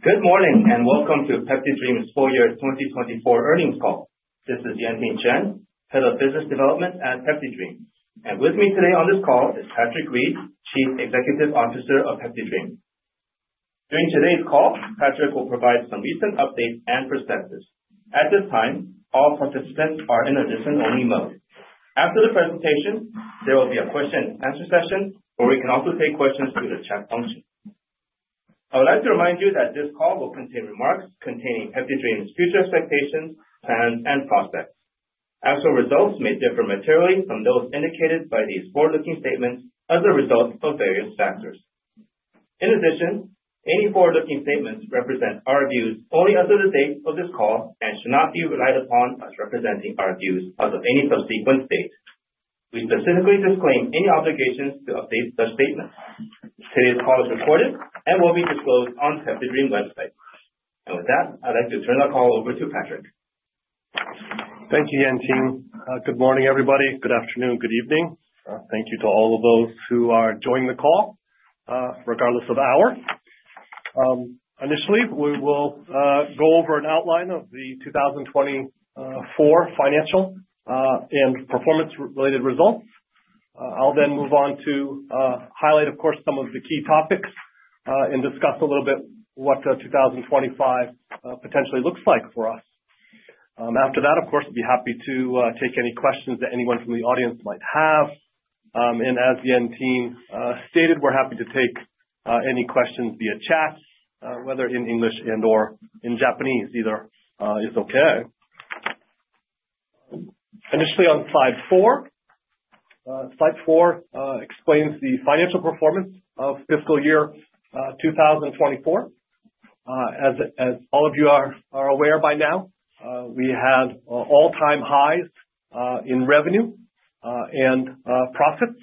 Good morning and welcome to PeptiDream's FY 2024 earnings call. This is Yen Ting Chen, Head of Business Development at PeptiDream. And with me today on this call is Patrick Reid, Chief Executive Officer of PeptiDream. During today's call, Patrick will provide some recent updates and perspectives. At this time, all participants are in a listen-only mode. After the presentation, there will be a question-and-answer session, or we can also take questions through the chat function. I would like to remind you that this call will contain remarks containing PeptiDream's future expectations, plans, and prospects. Actual results may differ materially from those indicated by these forward-looking statements as a result of various factors. In addition, any forward-looking statements represent our views only as of the date of this call and should not be relied upon as representing our views as of any subsequent date. We specifically disclaim any obligations to update such statements. Today's call is recorded and will be disclosed on the PeptiDream website, and with that, I'd like to turn the call over to Patrick. Thank you, Yen Ting. Good morning, everybody. Good afternoon. Good evening. Thank you to all of those who are joining the call, regardless of hour. Initially, we will go over an outline of the 2024 financial and performance-related results. I'll then move on to highlight, of course, some of the key topics and discuss a little bit what 2025 potentially looks like for us. After that, of course, I'd be happy to take any questions that anyone from the audience might have, and as Yen Ting stated, we're happy to take any questions via chat, whether in English and/or in Japanese. Either is okay. Initially, on slide four, slide four explains the financial performance of fiscal year 2024. As all of you are aware by now, we had all-time highs in revenue and profits.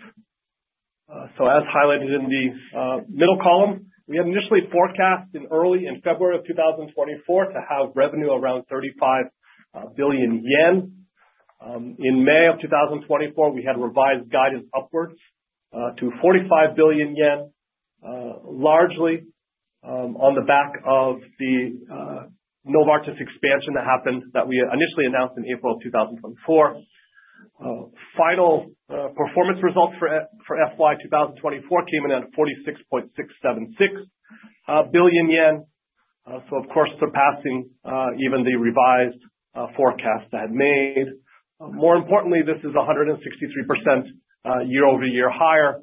As highlighted in the middle column, we had initially forecast in early February of 2024 to have revenue around 35 billion yen. In May of 2024, we had revised guidance upwards to 45 billion yen, largely on the back of the Novartis expansion that happened that we initially announced in April of 2024. Final performance results for FY 2024 came in at 46.676 billion yen, so, of course, surpassing even the revised forecast that had made. More importantly, this is 163% year-over-year higher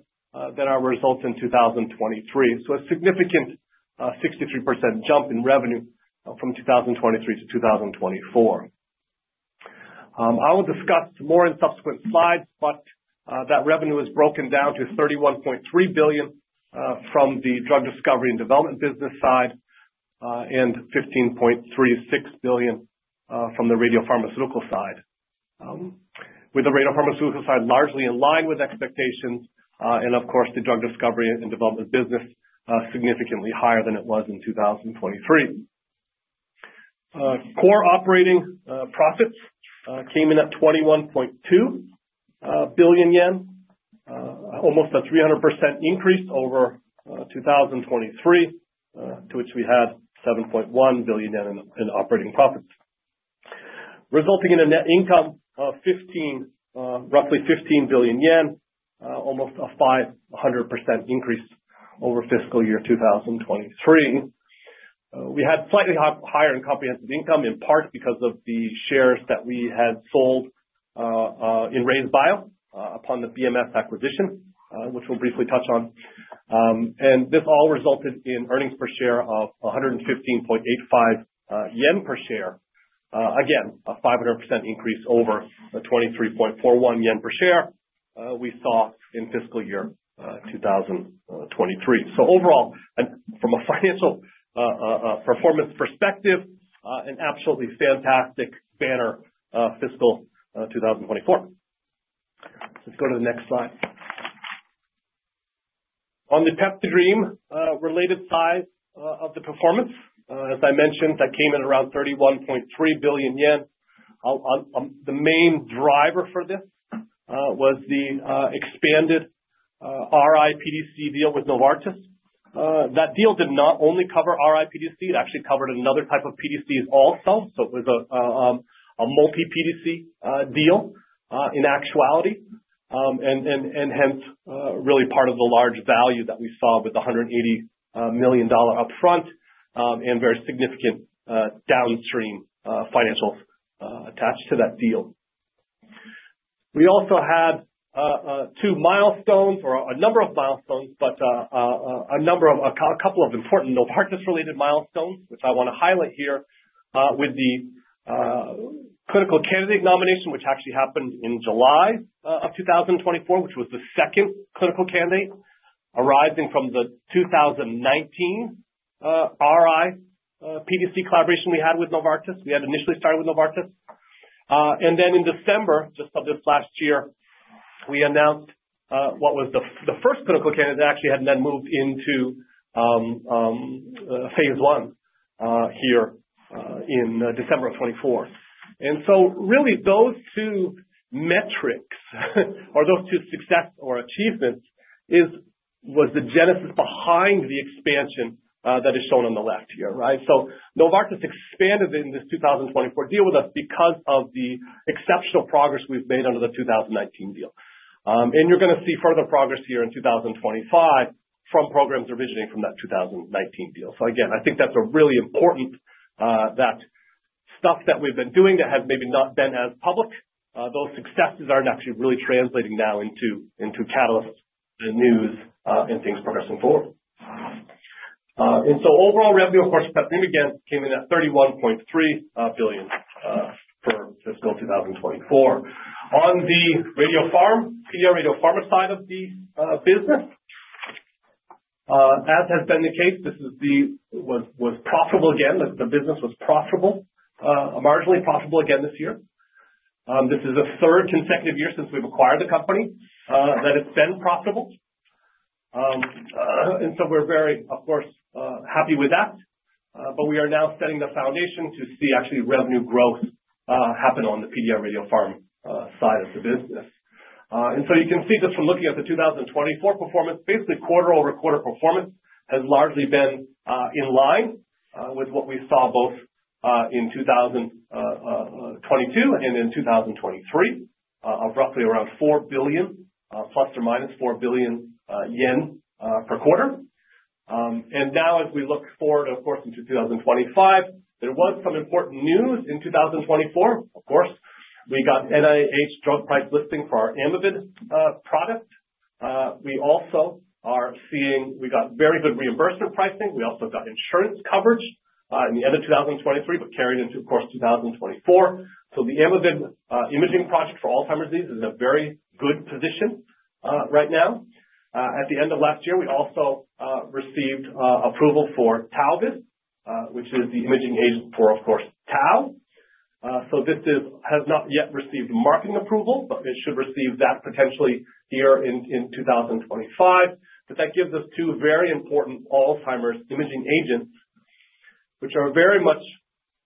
than our results in 2023. A significant 63% jump in revenue from 2023 to 2024. I will discuss more in subsequent slides, but that revenue is broken down to 31.3 billion from the drug discovery and development business side and 15.36 billion from the radiopharmaceutical side, with the radiopharmaceutical side largely in line with expectations and, of course, the drug discovery and development business significantly higher than it was in 2023. Core operating profits came in at 21.2 billion yen, almost a 300% increase over 2023, to which we had 7.1 billion in operating profits, resulting in a net income of roughly 15 billion yen, almost a 500% increase over fiscal year 2023. We had slightly higher and comprehensive income, in part because of the shares that we had sold in RayzeBio upon the BMS acquisition, which we'll briefly touch on. This all resulted in earnings per share of 115.85 yen per share, again, a 500% increase over the 23.41 yen per share we saw in fiscal year 2023. Overall, from a financial performance perspective, an absolutely fantastic banner fiscal 2024. Let's go to the next slide. On the PeptiDream-related side of the performance, as I mentioned, that came in around 31.3 billion yen. The main driver for this was the expanded RI-PDC deal with Novartis. That deal did not only cover RI-PDC; it actually covered another type of PDCs also. It was a multi-PDC deal in actuality, and hence really part of the large value that we saw with the $180 million upfront and very significant downstream financials attached to that deal. We also had two milestones or a number of milestones, but a number of a couple of important Novartis-related milestones, which I want to highlight here, with the clinical candidate nomination, which actually happened in July of 2024, which was the second clinical candidate arising from the 2019 RI-PDC collaboration we had with Novartis. We had initially started with Novartis, and then in December, just of this last year, we announced what was the first clinical candidate that actually had then moved into phase I here in December of 2024. And so, really, those two metrics or those two successes or achievements was the genesis behind the expansion that is shown on the left here, right? So, Novartis expanded in this 2024 deal with us because of the exceptional progress we've made under the 2019 deal. You're going to see further progress here in 2025 from programs originating from that 2019 deal. So, again, I think that's really important, that stuff that we've been doing that has maybe not been as public, those successes are actually really translating now into catalysts and news and things progressing forward. Overall revenue, of course, PeptiDream again came in at 31.3 billion for fiscal 2024. On the radiopharma, PDRadiopharma side of the business, as has been the case, this was profitable again. The business was profitable, marginally profitable again this year. This is the third consecutive year since we've acquired the company that it's been profitable. We're very, of course, happy with that. But we are now setting the foundation to see actually revenue growth happen on the PDRadiopharma side of the business. You can see just from looking at the 2024 performance. Basically quarter-over-quarter performance has largely been in line with what we saw both in 2022 and in 2023, of roughly around 4 billion, plus or minus 4 billion yen per quarter. Now, as we look forward, of course, into 2025, there was some important news in 2024. Of course, we got NIH drug price listing for our AMYViD product. We also are seeing we got very good reimbursement pricing. We also got insurance coverage in the end of 2023, but carried into, of course, 2024. The AMYViD imaging project for Alzheimer's disease is in a very good position right now. At the end of last year, we also received approval for Tauvid, which is the imaging agent for, of course, Tau. So, this has not yet received marketing approval, but it should receive that potentially here in 2025. But that gives us two very important Alzheimer's imaging agents, which are very much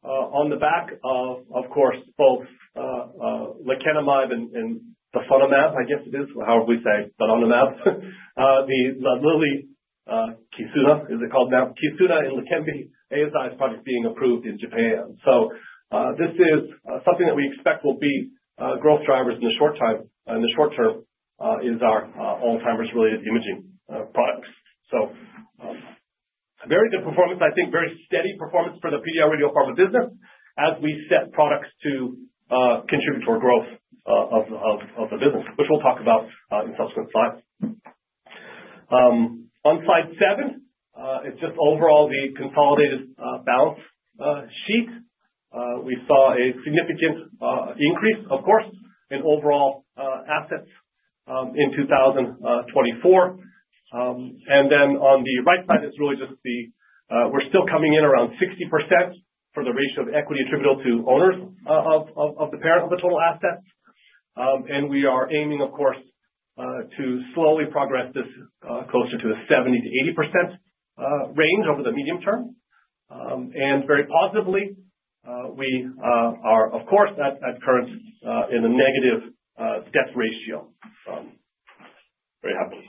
on the back of, of course, both lecanemab and the donanemab, I guess it is. How would we say donanemab? The Lilly Kisunla, is it called now? Kisunla and LEQEMBI Eisai is probably being approved in Japan. So, this is something that we expect will be growth drivers in the short term. In the short term is our Alzheimer's-related imaging products. So, very good performance, I think, very steady performance for the PDRadiopharma business as these products contribute to our growth of the business, which we'll talk about in subsequent slides. On slide seven, it's just overall the consolidated balance sheet. We saw a significant increase, of course, in overall assets in 2024. Then on the right side is really just the, we're still coming in around 60% for the ratio of equity attributable to owners of the parent of the total assets. We are aiming, of course, to slowly progress this closer to the 70%-80% range over the medium term. Very positively, we are, of course, currently in a negative debt ratio. Very happy.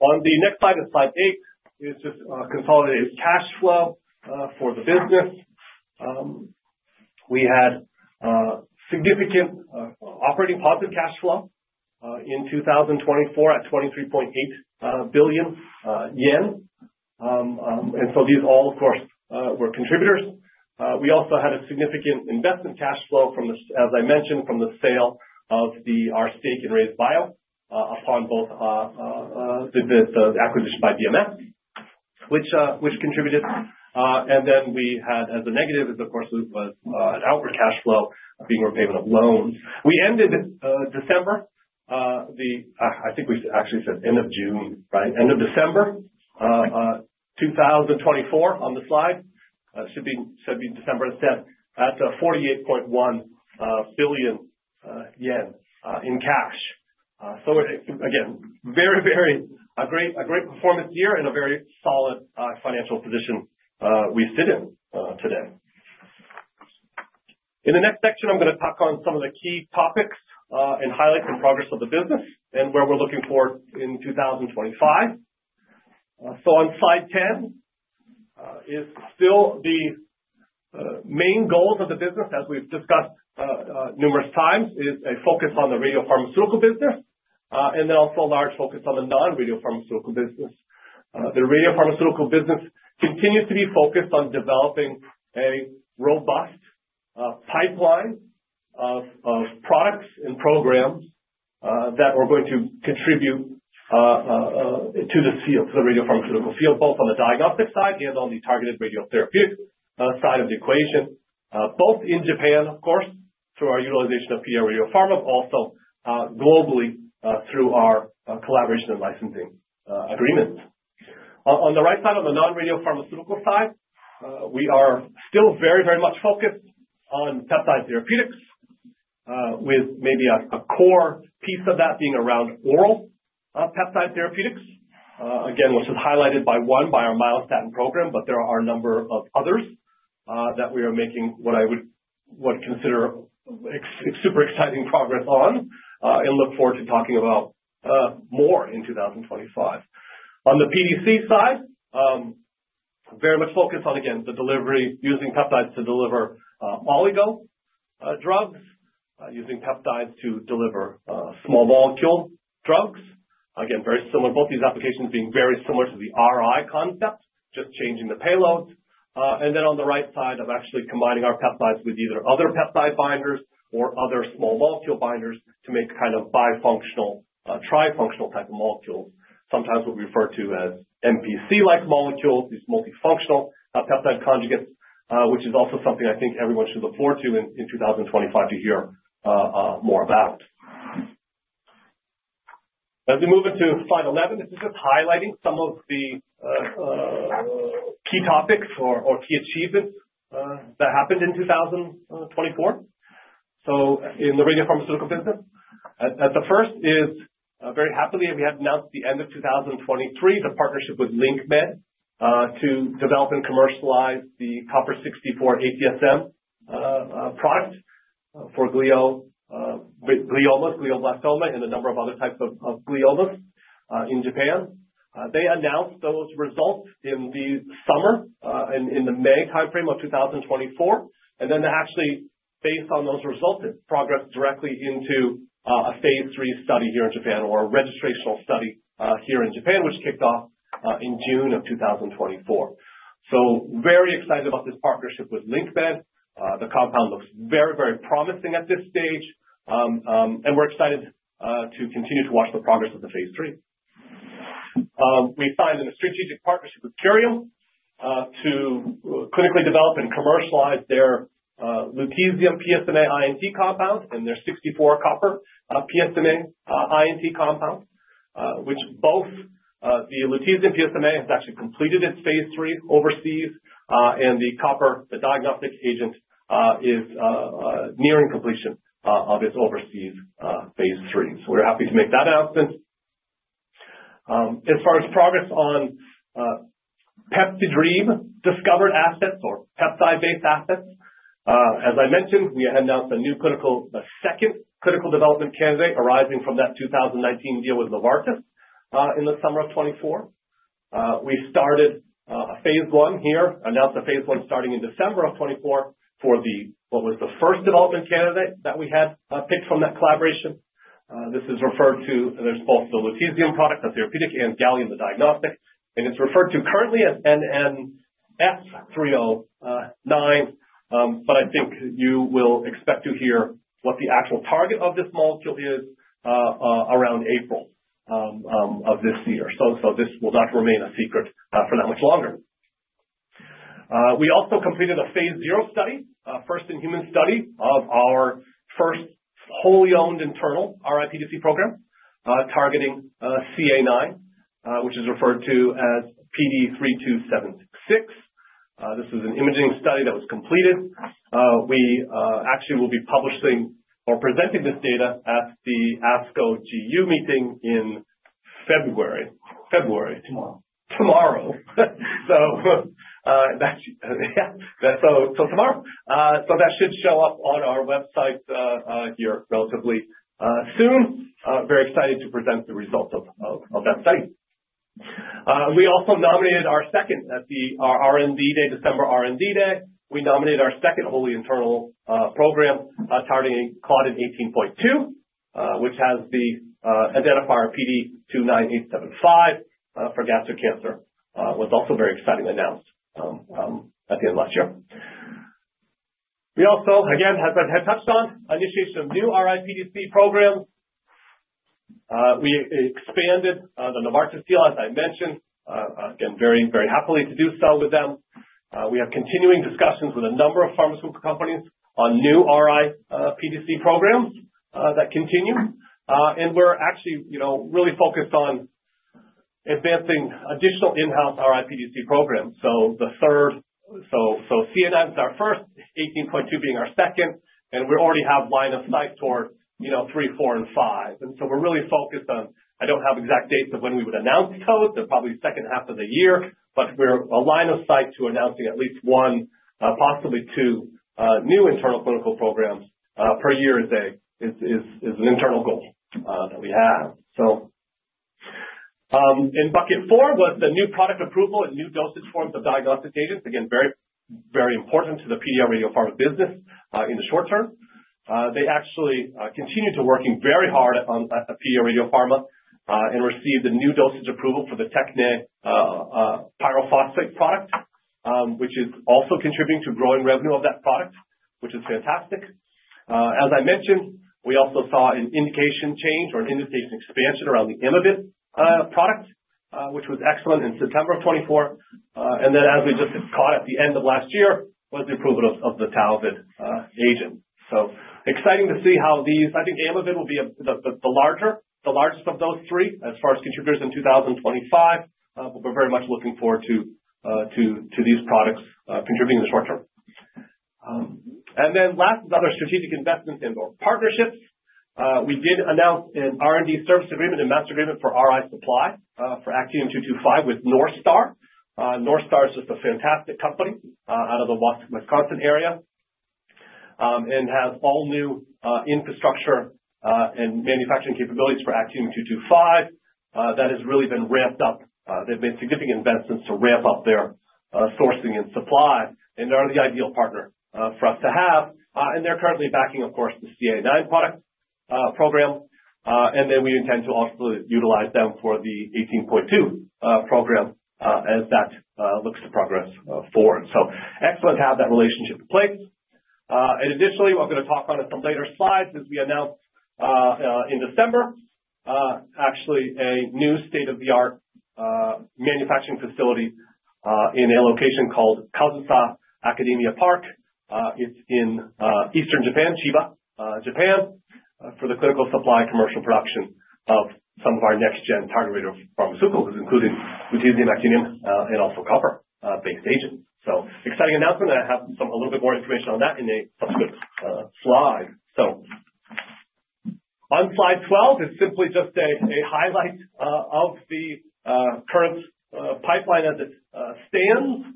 On the next slide, slide eight, is just consolidated cash flow for the business. We had significant operating positive cash flow in 2024 at 23.8 billion yen. These all, of course, were contributors. We also had a significant investment cash flow, as I mentioned, from the sale of our stake in RayzeBio upon both the acquisition by BMS, which contributed. We had, as a negative, of course, was outward cash flow being repayment of loans. We ended December. I think we actually said end of June, right? End of December 2024 on the slide, should be December instead, at 48.1 billion yen in cash. So, again, very, very great performance year and a very solid financial position we sit in today. In the next section, I'm going to touch on some of the key topics and highlight some progress of the business and where we're looking forward in 2025. So, on slide 10 is still the main goals of the business, as we've discussed numerous times, is a focus on the radiopharmaceutical business, and then also a large focus on the non-radiopharmaceutical business. The radiopharmaceutical business continues to be focused on developing a robust pipeline of products and programs that are going to contribute to the field, to the radiopharmaceutical field, both on the diagnostic side and on the targeted radiotherapeutic side of the equation, both in Japan, of course, through our utilization of PDRadiopharma, but also globally through our collaboration and licensing agreements. On the right side on the non-radiopharmaceutical side, we are still very, very much focused on peptide therapeutics, with maybe a core piece of that being around oral peptide therapeutics, again, which is highlighted by one, by our myostatin program, but there are a number of others that we are making what I would consider super exciting progress on and look forward to talking about more in 2025. On the PDC side, very much focused on, again, the delivery using peptides to deliver oligo drugs, using peptides to deliver small molecule drugs. Again, very similar, both these applications being very similar to the RI concept, just changing the payloads. And then on the right side, I'm actually combining our peptides with either other peptide binders or other small molecule binders to make kind of bifunctional, trifunctional type of molecules, sometimes what we refer to as MPC-like molecules, these multifunctional peptide conjugates, which is also something I think everyone should look forward to in 2025 to hear more about. As we move into slide 11, this is just highlighting some of the key topics or key achievements that happened in 2024. In the radiopharmaceutical business, the first is very happily we had announced at the end of 2023 the partnership with LinqMed to develop and commercialize the 64Cu-ATSM product for gliomas, glioblastoma, and a number of other types of gliomas in Japan. They announced those results in the summer and in the May timeframe of 2024. They actually, based on those results, progressed directly into a phase III study here in Japan or a registration study here in Japan, which kicked off in June of 2024. Very excited about this partnership with LinqMed. The compound looks very, very promising at this stage, and we're excited to continue to watch the progress of the phase III. We signed a strategic partnership with Curium to clinically develop and commercialize their lutetium PSMA-I&T compound and their 64Cu-PSMA-I&T compound, which both the lutetium PSMA has actually completed its phase III overseas, and the copper, the diagnostic agent, is nearing completion of its overseas phase III. So, we're happy to make that announcement. As far as progress on PeptiDream discovered assets or peptide-based assets, as I mentioned, we announced a new clinical, a second clinical development candidate arising from that 2019 deal with Novartis in the summer of 2024. We started phase I here, announced a phase I starting in December of 2024 for what was the first development candidate that we had picked from that collaboration. This is referred to, there's both the lutetium product, the therapeutic, and gallium, the diagnostic. It's referred to currently as NNF309, but I think you will expect to hear what the actual target of this molecule is around April of this year. So, this will not remain a secret for that much longer. We also completed a phase zero study, first in human study of our first wholly owned internal RI-PDC program targeting CA9, which is referred to as PD-32766. This is an imaging study that was completed. We actually will be publishing or presenting this data at the ASCO GU meeting in February, tomorrow. So, yeah, tomorrow. So, that should show up on our website here relatively soon. Very excited to present the results of that study. We also nominated our second at the R&D Day, December R&D Day. We nominated our second wholly internal program targeting Claudin 18.2, which has the identifier PD-29875 for gastric cancer. It was also very excitingly announced at the end of last year. We also, again, as I had touched on, initiation of new RI-PDC programs. We expanded the Novartis deal, as I mentioned, again, very, very happily to do so with them. We have continuing discussions with a number of pharmaceutical companies on new RI-PDC programs that continue. And we're actually really focused on advancing additional in-house RI-PDC programs. So, the third, so CNS is our first, 18.2 being our second, and we already have line of sight toward three, four, and five. We're really focused on. I don't have exact dates of when we would announce codes. They're probably second half of the year, but we have a line of sight to announcing at least one, possibly two new internal clinical programs per year, which is an internal goal that we have. In bucket four was the new product approval and new dosage forms of diagnostic agents, again, very, very important to the PDRadiopharma business in the short term. They actually continued to work very hard on PDRadiopharma and received a new dosage approval for the TechneScan pyrophosphate product, which is also contributing to growing revenue of that product, which is fantastic. As I mentioned, we also saw an indication change or an indication expansion around the AMYViD product, which was excellent in September of 2024. And then, as we just caught at the end of last year, was the approval of the Tauvid agent. So, exciting to see how these, I think AMYViD will be the largest, the largest of those three as far as contributors in 2025, but we're very much looking forward to these products contributing in the short term. And then last is other strategic investments and/or partnerships. We did announce an R&D service agreement and master agreement for RI supply for actinium-22 with NorthStar. NorthStar is just a fantastic company out of the Wisconsin area and has all new infrastructure and manufacturing capabilities for actinium-22 that has really been ramped up. They've made significant investments to ramp up their sourcing and supply and are the ideal partner for us to have. And they're currently backing, of course, the CA9 product program. Then we intend to also utilize them for the 18.2 program as that looks to progress forward. Excellent to have that relationship in place. Additionally, I'm going to talk on some later slides as we announce in December, actually a new state-of-the-art manufacturing facility in a location called Kazusa Akademia Park. It's in eastern Japan, Chiba, Japan, for the clinical supply commercial production of some of our next-gen targeted pharmaceuticals, including lutetium, actinium, and also copper-based agents. Exciting announcement. I have a little bit more information on that in a subsequent slide. On slide 12, it's simply just a highlight of the current pipeline as it stands.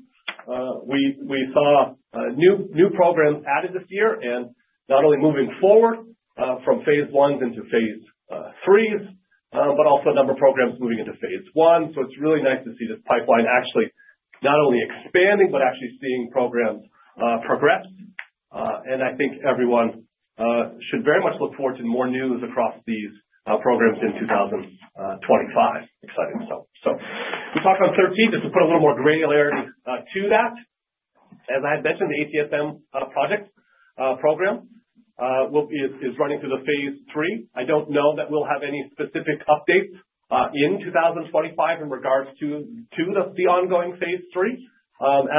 We saw new programs added this year and not only moving forward from phase Is into phase IIIs, but also a number of programs moving into phase I. So, it's really nice to see this pipeline actually not only expanding, but actually seeing programs progress. And I think everyone should very much look forward to more news across these programs in 2025. Exciting. So, we'll talk on 13th just to put a little more granularity to that. As I had mentioned, the ATSM project program is running through the phase III. I don't know that we'll have any specific updates in 2025 in regards to the ongoing phase III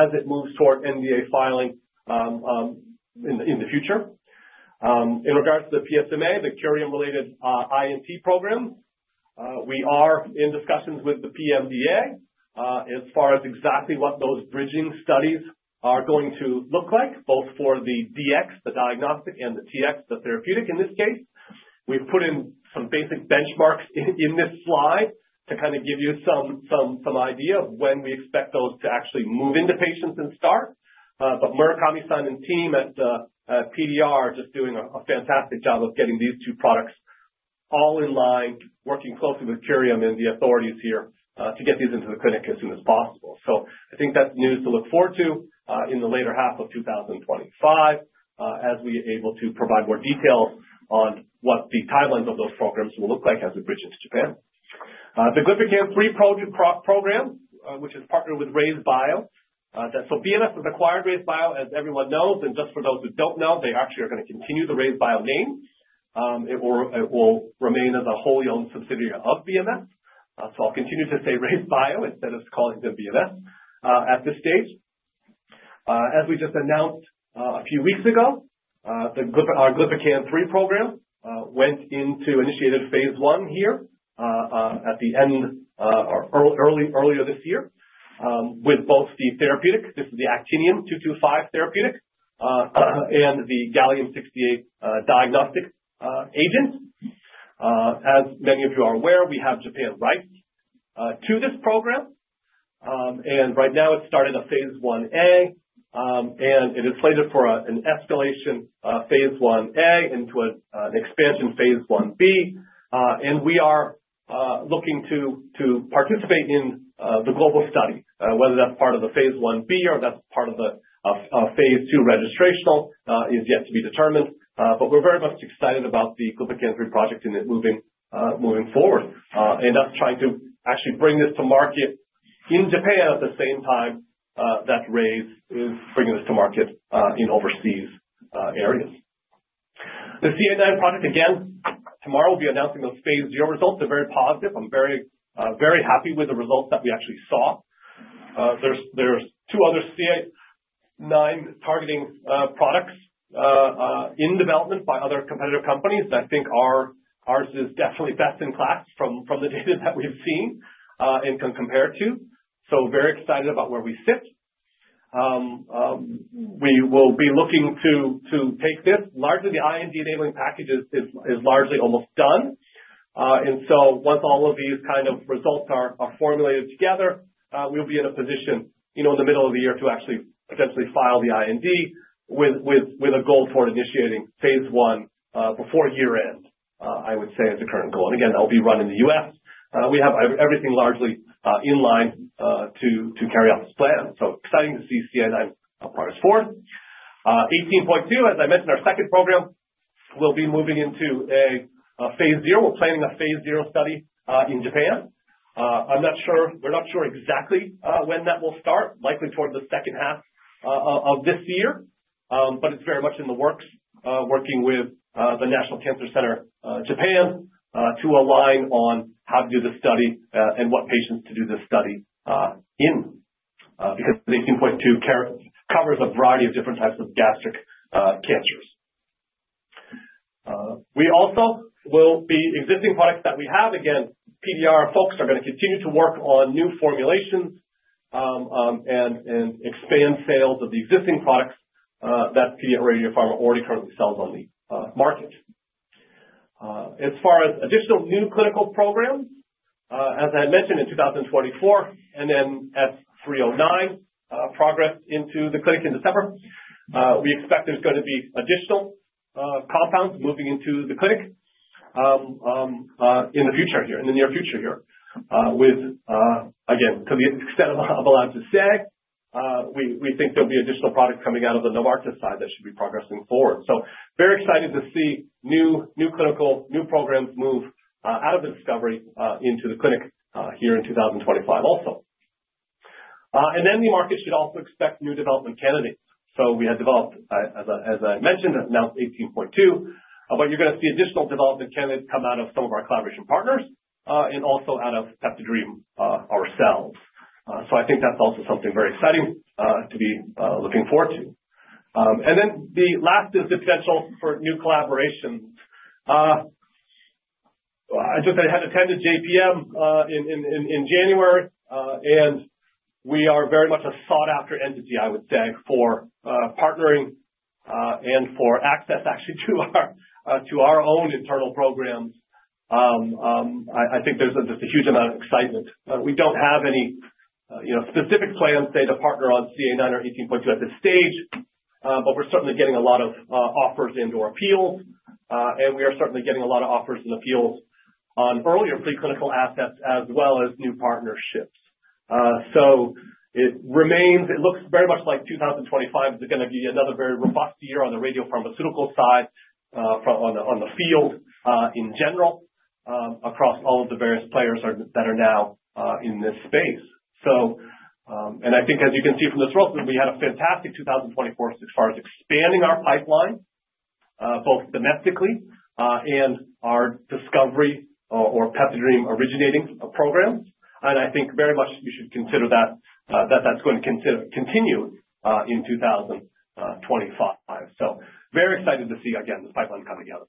as it moves toward NDA filing in the future. In regards to the PSMA, the Curium-related I&T program, we are in discussions with the PMDA as far as exactly what those bridging studies are going to look like, both for the DX, the diagnostic, and the TX, the therapeutic in this case. We've put in some basic benchmarks in this slide to kind of give you some idea of when we expect those to actually move into patients and start. But Murakami-san and team at PDR are just doing a fantastic job of getting these two products all in line, working closely with Curium and the authorities here to get these into the clinic as soon as possible. So, I think that's news to look forward to in the later half of 2025 as we are able to provide more details on what the timelines of those programs will look like as we bridge into Japan. The Glypican-3 program, which is partnered with RayzeBio, so BMS has acquired RayzeBio, as everyone knows. And just for those who don't know, they actually are going to continue the RayzeBio name. It will remain as a wholly owned subsidiary of BMS. I'll continue to say RayzeBio instead of calling them BMS at this stage. As we just announced a few weeks ago, our Glypican-3 program went into initiated phase I here at the end or earlier this year with both the therapeutic, this is the actinium-22 therapeutic, and the gallium-68 diagnostic agent. As many of you are aware, we have Japan rights to this program. Right now, it started phase I-A, and it is slated for an phase I-A into an phase I-B. we are looking to participate in the global study. Whether that's part of phase I-B or that's part of the phase II registrational is yet to be determined. We're very much excited about the Glypican-3 project and it moving forward. That's trying to actually bring this to market in Japan at the same time that RayzeBio is bringing this to market in overseas areas. The CA9 project, again, tomorrow we'll be announcing those phase zero results. They're very positive. I'm very, very happy with the results that we actually saw. There's two other CA9 targeting products in development by other competitor companies. I think ours is definitely best in class from the data that we've seen and can compare to. So, very excited about where we sit. We will be looking to take this. Largely, the IND enabling package is largely almost done. Once all of these kind of results are formulated together, we'll be in a position in the middle of the year to actually potentially file the IND with a goal toward initiating phase I before year-end, I would say is the current goal. Again, that will be run in the U.S.. We have everything largely in line to carry out this plan. Exciting to see CA9 progress forward. 18.2, as I mentioned, our second program will be moving into a phase zero. We are planning a phase zero study in Japan. I am not sure; we are not sure exactly when that will start, likely toward the second half of this year, but it is very much in the works, working with the National Cancer Center Japan to align on how to do the study and what patients to do this study in because 18.2 covers a variety of different types of gastric cancers. We also will be existing products that we have. Again, PDR folks are going to continue to work on new formulations and expand sales of the existing products that PDRadiopharma already currently sells on the market. As far as additional new clinical programs, as I had mentioned in 2024 and then NNF309 progressed into the clinic in December, we expect there's going to be additional compounds moving into the clinic in the future here, in the near future here. With, again, to the extent I'm allowed to say, we think there'll be additional products coming out of the Novartis side that should be progressing forward, so very excited to see new clinical, new programs move out of the discovery into the clinic here in 2025 also. Then the market should also expect new development candidates, so we had developed, as I mentioned, announced 18.2, but you're going to see additional development candidates come out of some of our collaboration partners and also out of PeptiDream ourselves. I think that's also something very exciting to be looking forward to. And then the last is the potential for new collaborations. I just had attended JPM in January, and we are very much a sought-after entity, I would say, for partnering and for access actually to our own internal programs. I think there's just a huge amount of excitement. We don't have any specific plans, say, to partner on CA9 or 18.2 at this stage, but we're certainly getting a lot of offers and/or appeals. And we are certainly getting a lot of offers and appeals on earlier preclinical assets as well as new partnerships. So, it looks very much like 2025 is going to be another very robust year on the radiopharmaceutical side, on the field in general, across all of the various players that are now in this space. I think as you can see from this roadmap, we had a fantastic 2024 as far as expanding our pipeline, both domestically and our discovery or PeptiDream originating programs. And I think very much you should consider that that's going to continue in 2025. So, very excited to see, again, this pipeline coming out.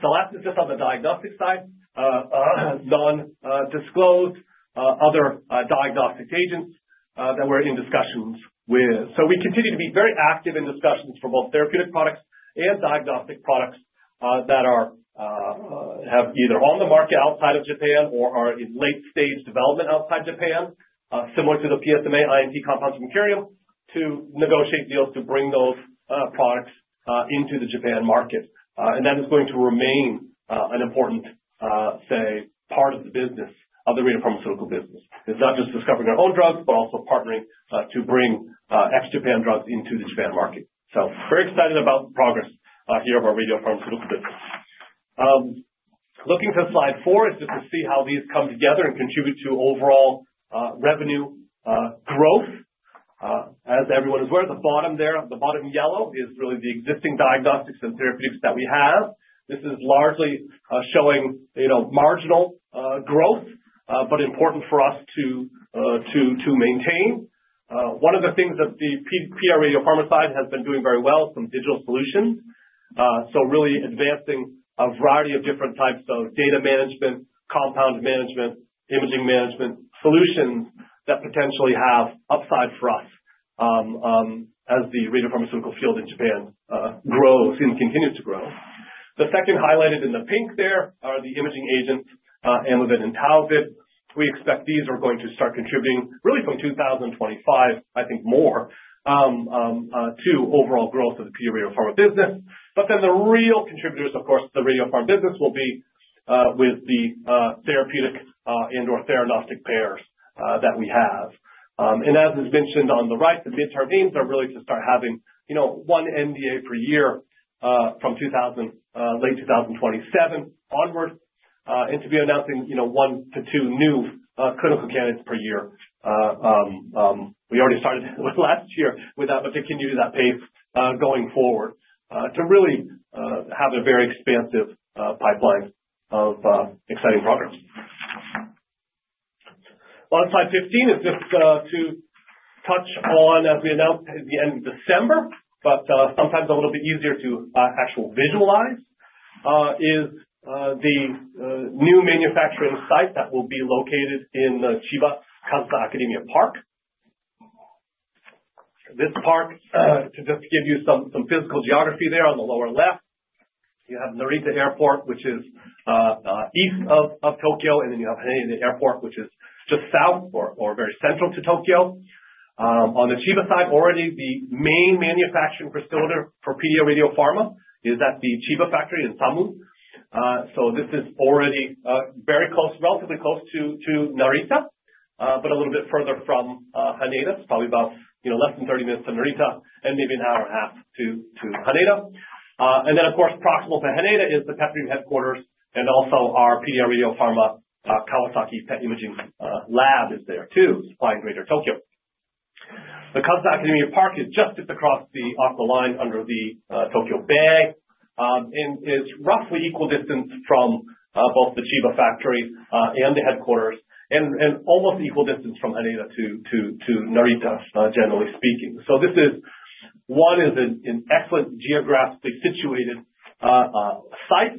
The last is just on the diagnostic side, non-disclosed other diagnostic agents that we're in discussions with. So, we continue to be very active in discussions for both therapeutic products and diagnostic products that have either on the market outside of Japan or are in late-stage development outside Japan, similar to the PSMA-I&T compounds from Curium to negotiate deals to bring those products into the Japan market. And that is going to remain an important, say, part of the business of the radiopharmaceutical business. It's not just discovering our own drugs, but also partnering to bring ex-Japan drugs into the Japan market. So, very excited about the progress here of our radiopharmaceutical business. Looking to Slide 4 is just to see how these come together and contribute to overall revenue growth. As everyone is aware, the bottom there, the bottom yellow is really the existing diagnostics and therapeutics that we have. This is largely showing marginal growth, but important for us to maintain. One of the things that the PDRadiopharma side has been doing very well is some digital solutions. So, really advancing a variety of different types of data management, compound management, imaging management solutions that potentially have upside for us as the radiopharmaceutical field in Japan grows and continues to grow. The second highlighted in the pink there are the imaging agents, AMYViD and Tauvid. We expect these are going to start contributing really from 2025, I think more, to overall growth of the PDRadiopharma business. But then the real contributors, of course, to the radiopharma business will be with the therapeutic and/or theranostic pairs that we have. And as was mentioned on the right, the midterm aims are really to start having one NDA per year from late 2027 onwards and to be announcing one to two new clinical candidates per year. We already started last year with that, but continuing that pace going forward to really have a very expansive pipeline of exciting programs. On slide 15 is just to touch on, as we announced at the end of December, but sometimes a little bit easier to actually visualize is the new manufacturing site that will be located in Chiba, Kazusa Akademia Park. This park, to just give you some physical geography there on the lower left, you have Narita Airport, which is east of Tokyo, and then you have Haneda Airport, which is just south or very central to Tokyo. On the Chiba side, already the main manufacturing facility for PDRadiopharma is at the Chiba factory in Sanmu. So, this is already very close, relatively close to Narita, but a little bit further from Haneda. It's probably about less than 30 minutes to Narita and maybe an hour and a half to Haneda. Then, of course, proximal to Haneda is the PeptiDream headquarters and also our PDRadiopharma Kawasaki PET Imaging Lab is there too, supplying Greater Tokyo. The Kazusa Akademia Park is just across the line under the Tokyo Bay and is roughly equal distance from both the Chiba factory and the headquarters and almost equal distance from Haneda to Narita, generally speaking. This one is an excellent geographically situated site.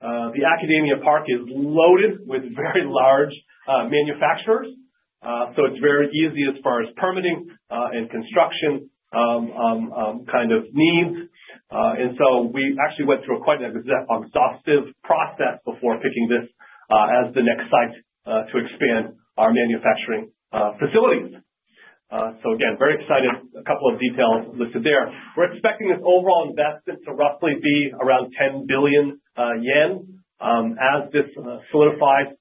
The Academia Park is loaded with very large manufacturers. It's very easy as far as permitting and construction kind of needs. We actually went through quite an exhaustive process before picking this as the next site to expand our manufacturing facilities. Again, very excited, a couple of details listed there. We're expecting this overall investment to roughly be around 10 billion yen. As this solidifies,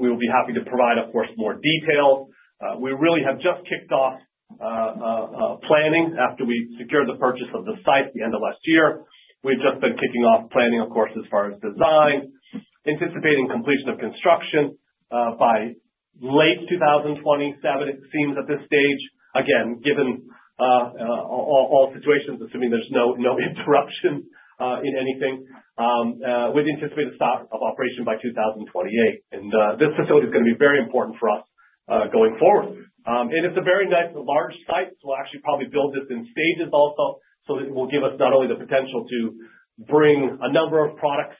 we will be happy to provide, of course, more details. We really have just kicked off planning after we secured the purchase of the site at the end of last year. We've just been kicking off planning, of course, as far as design, anticipating completion of construction by late 2027, it seems at this stage. Again, given all situations, assuming there's no interruption in anything, we'd anticipate a stop of operation by 2028, and this facility is going to be very important for us going forward, and it's a very nice large site. We'll actually probably build this in stages also so that it will give us not only the potential to bring a number of products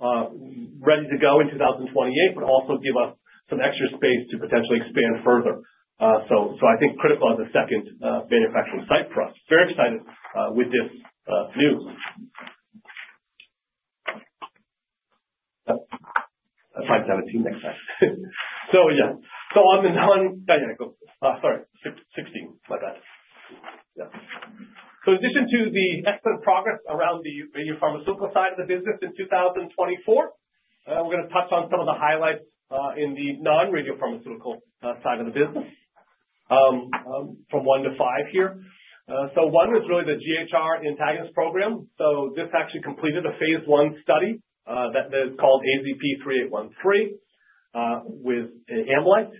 ready to go in 2028, but also give us some extra space to potentially expand further. So, I think critical as a second manufacturing site for us. Very excited with this news. Slide 17, next slide, so, yeah, so on the non, oh, sorry, 16, my bad. Yeah. In addition to the excellent progress around the radiopharmaceutical side of the business in 2024, we're going to touch on some of the highlights in the non-radiopharmaceutical side of the business from one to five here. One is really the GHR antagonist program. This actually completed a phase I study that is called AZP-3813 with Amolyt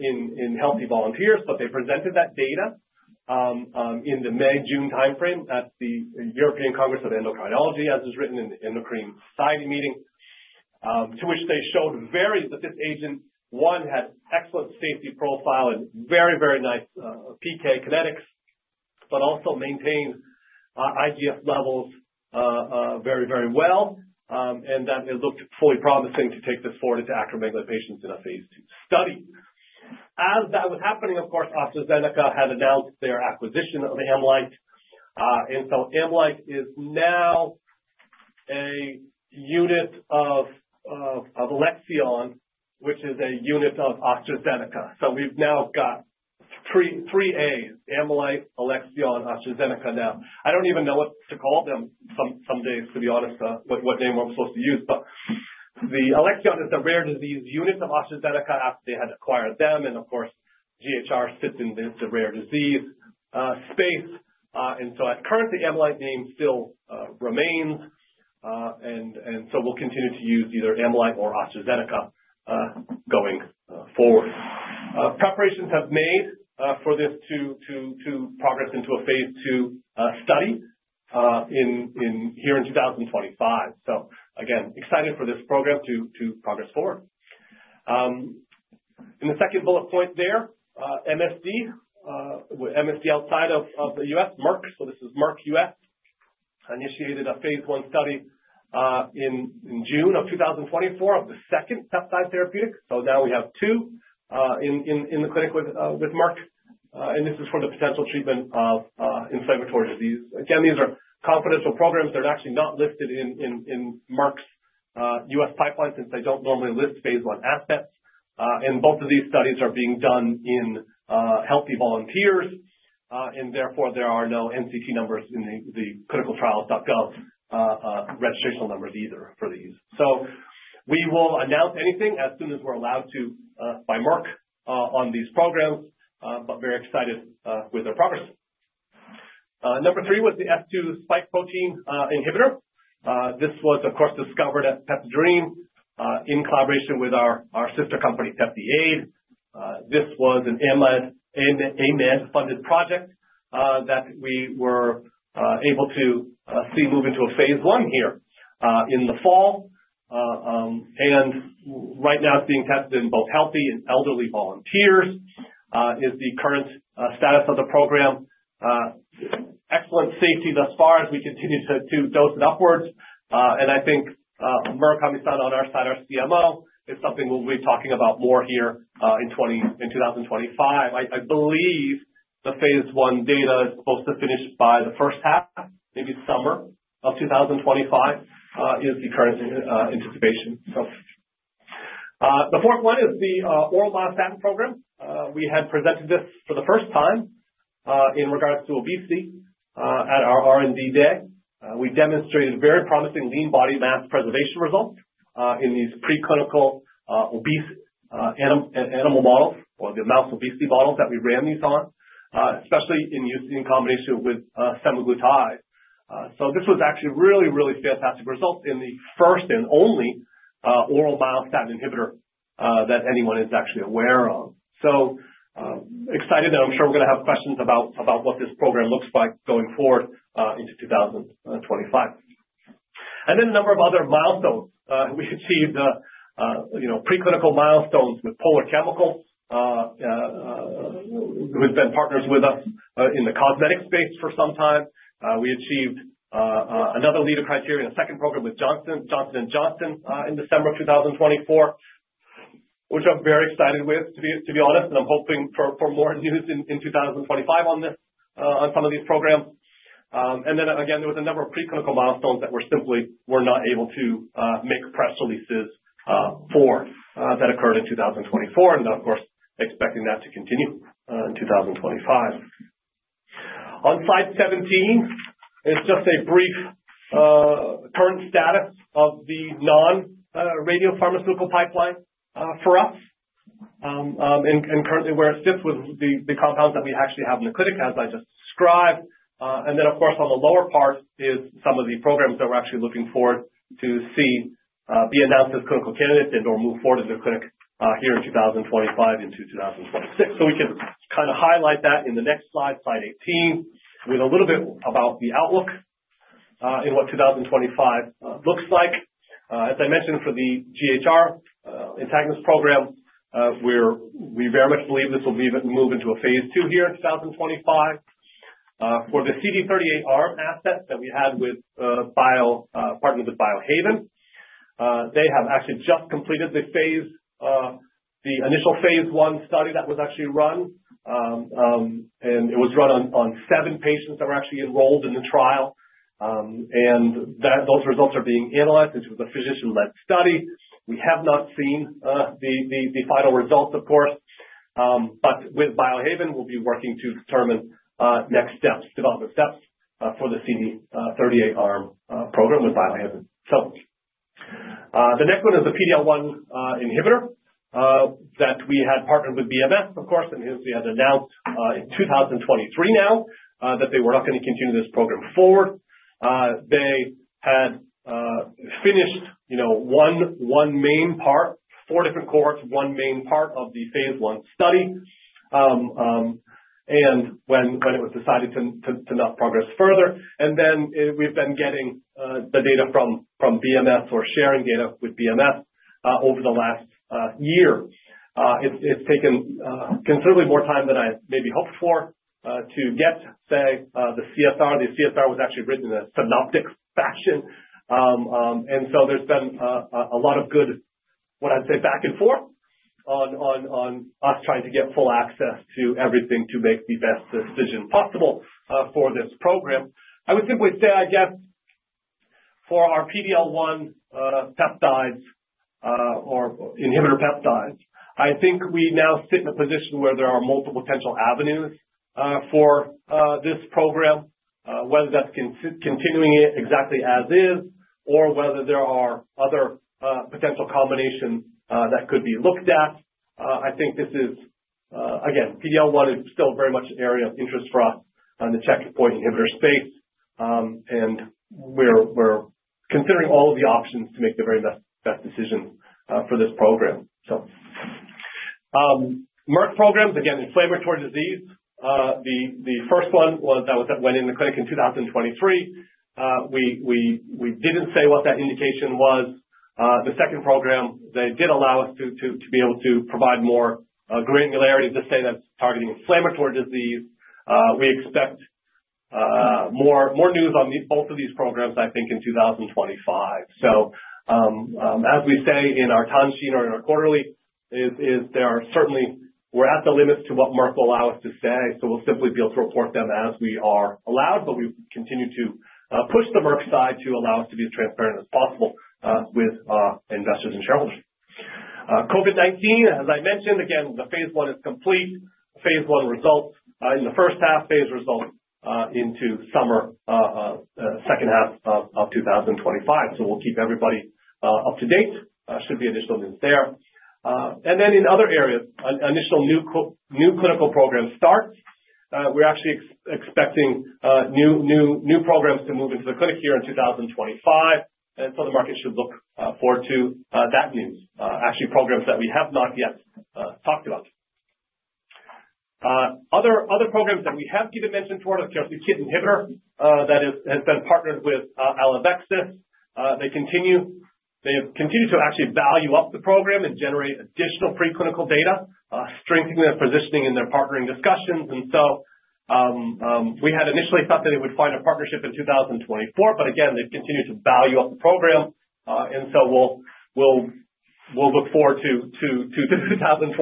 in healthy volunteers, but they presented that data in the May-June timeframe at the European Congress of Endocrinology, as well as at the Endocrine Society meeting, to which they showed that very this agent, one, had excellent safety profile and very, very nice PK kinetics, but also maintained IGF levels very, very well and that it looked fully promising to take this forward into acromegaly patients in a phase II study. As that was happening, of course, AstraZeneca had announced their acquisition of Amolyt. Amolyt is now a unit of Alexion, which is a unit of AstraZeneca. We've now got three As, Amolyt, Alexion, AstraZeneca now. I don't even know what to call them some days, to be honest, what name I'm supposed to use. Alexion is a rare disease unit of AstraZeneca after they had acquired them. Of course, GHR sits in the rare disease space. Currently, Amolyt name still remains. We'll continue to use either Amolyt or AstraZeneca going forward. Preparations have been made for this to progress into a phase II study here in 2025. Again, excited for this program to progress forward. In the second bullet point there, MSD, MSD outside of the U.S., Merck. This is Merck U.S. initiated a phase I study in June of 2024 of the second peptide therapeutic. So, now we have two in the clinic with Merck, and this is for the potential treatment of inflammatory disease. Again, these are confidential programs. They're actually not listed in Merck's U.S. pipeline since they don't normally list phase I assets. Both of these studies are being done in healthy volunteers. Therefore, there are no NCT numbers in the clinicaltrials.gov registration numbers either for these. We will announce anything as soon as we're allowed to by Merck on these programs, but very excited with their progress. Number three was the S2 spike protein inhibitor. This was, of course, discovered at PeptiDream in collaboration with our sister company, PeptiAID. This was an AMED-funded project that we were able to see move into a phase I here in the fall. Right now, it's being tested in both healthy and elderly volunteers, is the current status of the program. Excellent safety thus far as we continue to dose it upwards. I think Merck, Murakami on our side, our CMO, is something we'll be talking about more here in 2025. I believe the phase I data is supposed to finish by the first half, maybe summer of 2025, is the current anticipation. The fourth one is the oral myostatin program. We had presented this for the first time in regards to obesity at our R&D day. We demonstrated very promising lean body mass preservation results in these preclinical obese animal models or the mouse obesity models that we ran these on, especially in using combination with semaglutide. This was actually really, really fantastic results in the first and only oral myostatin inhibitor that anyone is actually aware of. So excited, and I'm sure we're going to have questions about what this program looks like going forward into 2025. And then a number of other milestones. We achieved preclinical milestones with POLA Chemical, who has been partners with us in the cosmetic space for some time. We achieved another leading criteria in a second program with Johnson & Johnson in December of 2024, which I'm very excited with, to be honest. And I'm hoping for more news in 2025 on some of these programs. And then, again, there was a number of preclinical milestones that we simply were not able to make press releases for that occurred in 2024. And of course, expecting that to continue in 2025. On slide 17, it's just a brief current status of the non-radiopharmaceutical pipeline for us and currently where it sits with the compounds that we actually have in the clinic, as I just described. And then, of course, on the lower part is some of the programs that we're actually looking forward to see be announced as clinical candidates and/or move forward in the clinic here in 2025 into 2026. So, we can kind of highlight that in the next slide, slide 18, with a little bit about the outlook and what 2025 looks like. As I mentioned, for the GHR antagonist program, we very much believe this will be moved into a phase II here in 2025. For the CD38 asset that we had partnered with Biohaven, they have actually just completed the initial phase I study that was actually run. It was run on seven patients that were actually enrolled in the trial. Those results are being analyzed. This was a physician-led study. We have not seen the final results, of course. With Biohaven, we'll be working to determine next steps, development steps for the CD38 program with Biohaven. The next one is the PD-L1 inhibitor that we had partnered with BMS, of course. Hence, we had announced in 2023 now that they were not going to continue this program forward. They had finished one main part, four different cohorts, one main part of the phase I study. When it was decided to not progress further. Then we've been getting the data from BMS or sharing data with BMS over the last year. It's taken considerably more time than I maybe hoped for to get, say, the CSR. The CSR was actually written in a synoptic fashion, and so there's been a lot of good, what I'd say, back and forth on us trying to get full access to everything to make the best decision possible for this program. I would simply say, I guess, for our PD-L1 peptides or inhibitor peptides, I think we now sit in a position where there are multiple potential avenues for this program, whether that's continuing it exactly as is or whether there are other potential combinations that could be looked at. I think this is, again, PD-L1 is still very much an area of interest for us in the checkpoint inhibitor space, and we're considering all of the options to make the very best decision for this program, so Merck programs, again, inflammatory disease. The first one was that went in the clinic in 2023. We didn't say what that indication was. The second program, they did allow us to be able to provide more granularity to say that's targeting inflammatory disease. We expect more news on both of these programs, I think, in 2025. As we say in our timesheet or in our quarterly, there are certainly, we're at the limits to what Merck will allow us to say. We'll simply be able to report them as we are allowed. But we continue to push the Merck side to allow us to be as transparent as possible with investors and shareholders. COVID-19, as I mentioned, again, the phase I is complete. phase I results in the first phase II results in the summer, second half of 2025. We'll keep everybody up to date. Should be additional news there, and then in other areas, initial new clinical program starts. We're actually expecting new programs to move into the clinic here in 2025. The market should look forward to that news, actually programs that we have not yet talked about. Other programs that we have even mentioned for it, of course, the KIT inhibitor that has been partnered with Alivexis. They have continued to actually value up the program and generate additional preclinical data, strengthening their positioning in their partnering discussions. We had initially thought that they would find a partnership in 2024. But again, they've continued to value up the program. We'll look forward to 2025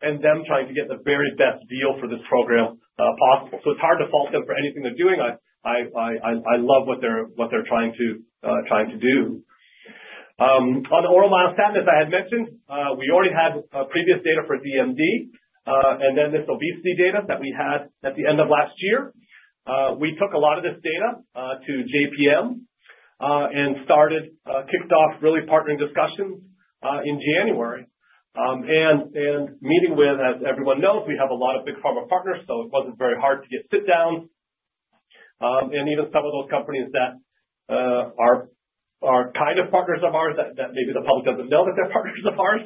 and them trying to get the very best deal for this program possible. It's hard to fault them for anything they're doing. I love what they're trying to do. On the oral myostatin, as I had mentioned, we already had previous data for DMD. Then this obesity data that we had at the end of last year, we took a lot of this data to JPM and kicked off really partnering discussions in January. Meeting with, as everyone knows, we have a lot of big pharma partners. It wasn't very hard to get sit-downs. Even some of those companies that are kind of partners of ours that maybe the public doesn't know that they're partners of ours.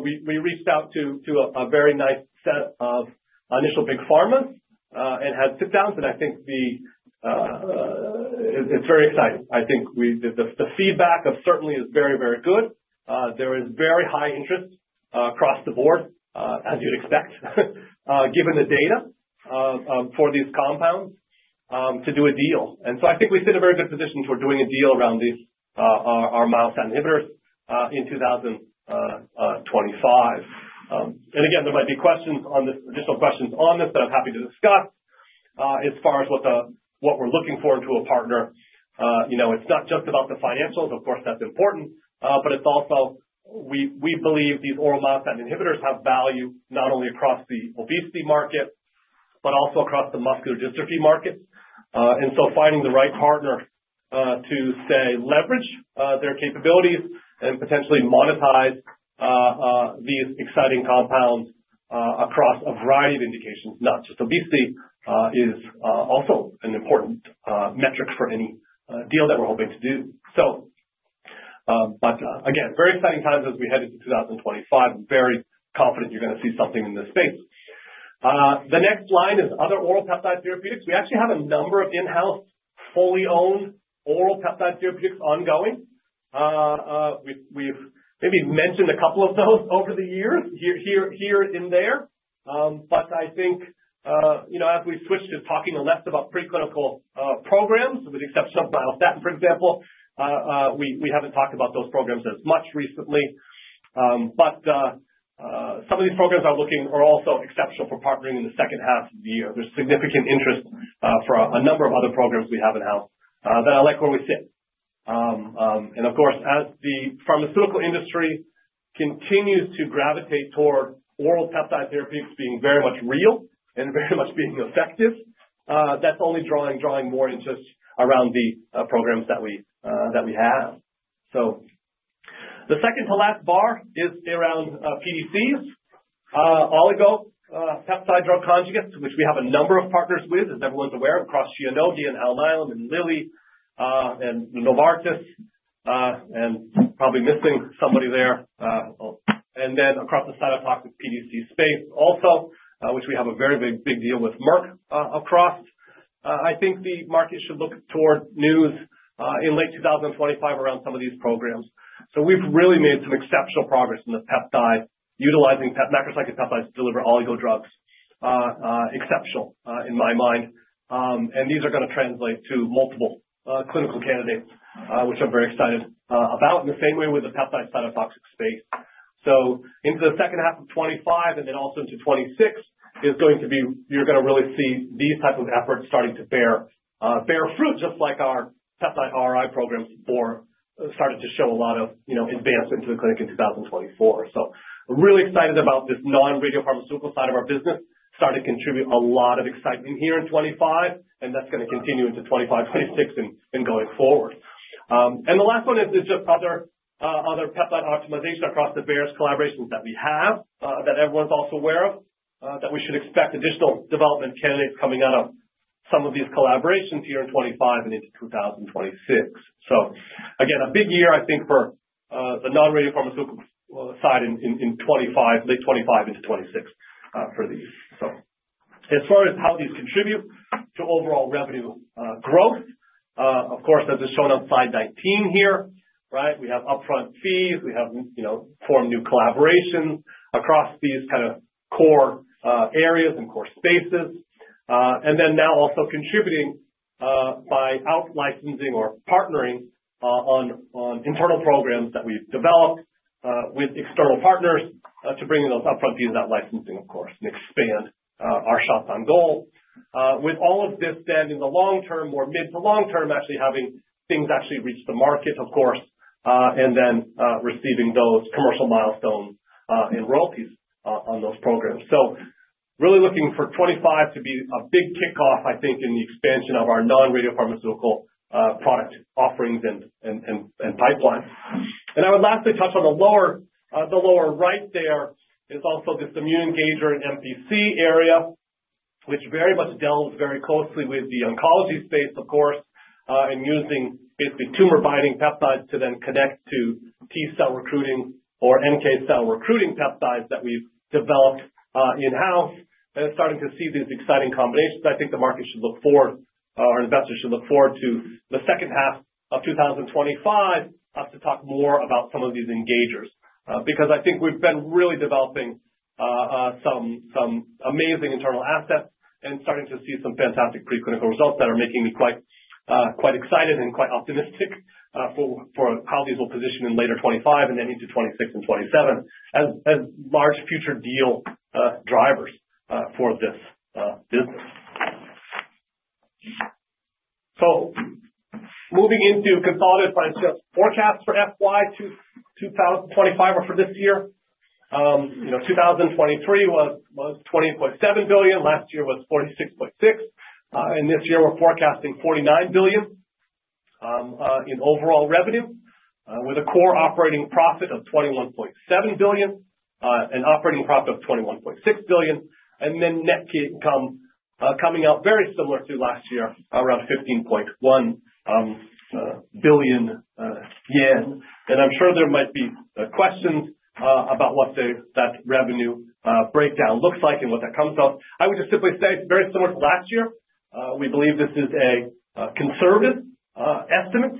We reached out to a very nice set of initial big pharmas and had sit-downs. I think it's very exciting. I think the feedback certainly is very, very good. There is very high interest across the board, as you'd expect, given the data for these compounds to do a deal. We sit in a very good position for doing a deal around our myostatin inhibitors in 2025. Again, there might be additional questions on this that I'm happy to discuss as far as what we're looking for into a partner. It's not just about the financials. Of course, that's important. But it's also we believe these oral myostatin inhibitors have value not only across the obesity market, but also across the muscular dystrophy market. And so, finding the right partner to, say, leverage their capabilities and potentially monetize these exciting compounds across a variety of indications, not just obesity, is also an important metric for any deal that we're hoping to do. But again, very exciting times as we head into 2025. I'm very confident you're going to see something in this space. The next line is other oral peptide therapeutics. We actually have a number of in-house fully owned oral peptide therapeutics ongoing. We've maybe mentioned a couple of those over the years here and there. But I think as we switch to talking less about preclinical programs, with the exception of myostatin, for example, we haven't talked about those programs as much recently. But some of these programs are also exceptional for partnering in the second half of the year. There's significant interest for a number of other programs we have in-house that I like where we sit. And of course, as the pharmaceutical industry continues to gravitate toward oral peptide therapeutics being very much real and very much being effective, that's only drawing more interest around the programs that we have. So, the second to last bar is around PDCs, oligo peptide drug conjugates, which we have a number of partners with, as everyone's aware of, across Shionogi, Alnylam, and Lilly, and Novartis, and probably missing somebody there. And then across the cytotoxic PDC space also, which we have a very big deal with Merck across. I think the market should look toward news in late 2025 around some of these programs. So, we've really made some exceptional progress in the peptide utilizing macrocyclic peptides to deliver oligo drugs, exceptional in my mind. And these are going to translate to multiple clinical candidates, which I'm very excited about, in the same way with the peptide cytotoxic space. So, into the second half of 2025 and then also into 2026, you're going to really see these types of efforts starting to bear fruit, just like our peptide-RI programs started to show a lot of advance into the clinic in 2024. So, I'm really excited about this non-radiopharmaceutical side of our business starting to contribute a lot of excitement here in 2025. That's going to continue into 2025, 2026, and going forward. The last one is just other peptide optimization across the various collaborations that we have that everyone's also aware of, that we should expect additional development candidates coming out of some of these collaborations here in 2025 and into 2026. So, again, a big year, I think, for the non-radiopharmaceutical side in 2025, late 2025 into 2026 for these. So, as far as how these contribute to overall revenue growth, of course, as is shown on slide 19 here, right, we have upfront fees. We have formed new collaborations across these kind of core areas and core spaces. And then now also contributing by out-licensing or partnering on internal programs that we've developed with external partners to bring those upfront fees, out-licensing, of course, and expand our shots on goal. With all of this in the long term, more mid to long term, actually having things actually reach the market, of course, and then receiving those commercial milestones and royalties on those programs, so really looking for 2025 to be a big kickoff, I think, in the expansion of our non-radiopharmaceutical product offerings and pipelines, and I would lastly touch on the lower right. There is also this immune engager and MPC area, which very much deals very closely with the oncology space, of course, and using basically tumor-binding peptides to then connect to T-cell recruiting or NK cell recruiting peptides that we've developed in-house, and starting to see these exciting combinations. I think the market should look forward, or investors should look forward to the second half of 2025 us to talk more about some of these engagers. Because I think we've been really developing some amazing internal assets and starting to see some fantastic preclinical results that are making me quite excited and quite optimistic for how these will position in later 2025 and then into 2026 and 2027 as large future deal drivers for this business. So, moving into consolidated financial forecasts for FY 2025 or for this year. 2023 was 28.7 billion. Last year was 46.6 billion. And this year, we're forecasting 49 billion in overall revenue, with a core operating profit of 21.7 billion, an operating profit of 21.6 billion. And then net income coming out very similar to last year, around 15.1 billion yen. And I'm sure there might be questions about what that revenue breakdown looks like and what that comes off. I would just simply say it's very similar to last year. We believe this is a conservative estimate.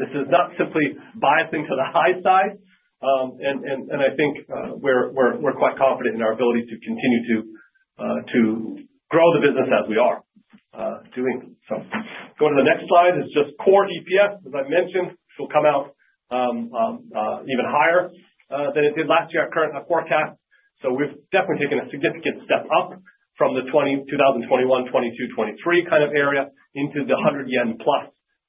This is not simply biasing to the high side. And I think we're quite confident in our ability to continue to grow the business as we are doing. So, going to the next slide is just core EPS. As I mentioned, which will come out even higher than it did last year, our current forecast. So, we've definitely taken a significant step up from the 2021, 2022, 2023 kind of area into the 100+ yen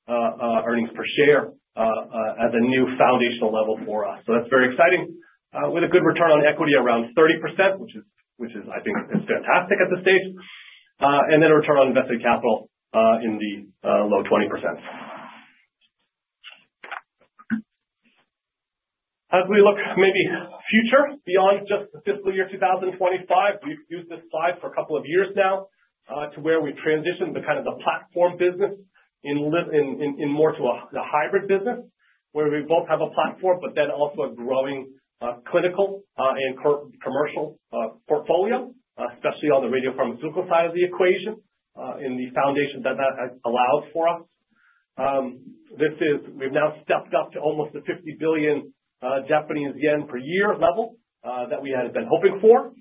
earnings per share as a new foundational level for us. So, that's very exciting, with a good return on equity around 30%, which I think is fantastic at this stage. And then a return on invested capital in the low 20%. As we look maybe to the future beyond just the fiscal year 2025, we've used this slide for a couple of years now to where we've transitioned the kind of the platform business into more to a hybrid business, where we both have a platform, but then also a growing clinical and commercial portfolio, especially on the radiopharmaceutical side of the equation in the foundation that allows for us. We've now stepped up to almost the 50 billion Japanese yen per year level that we had been hoping for,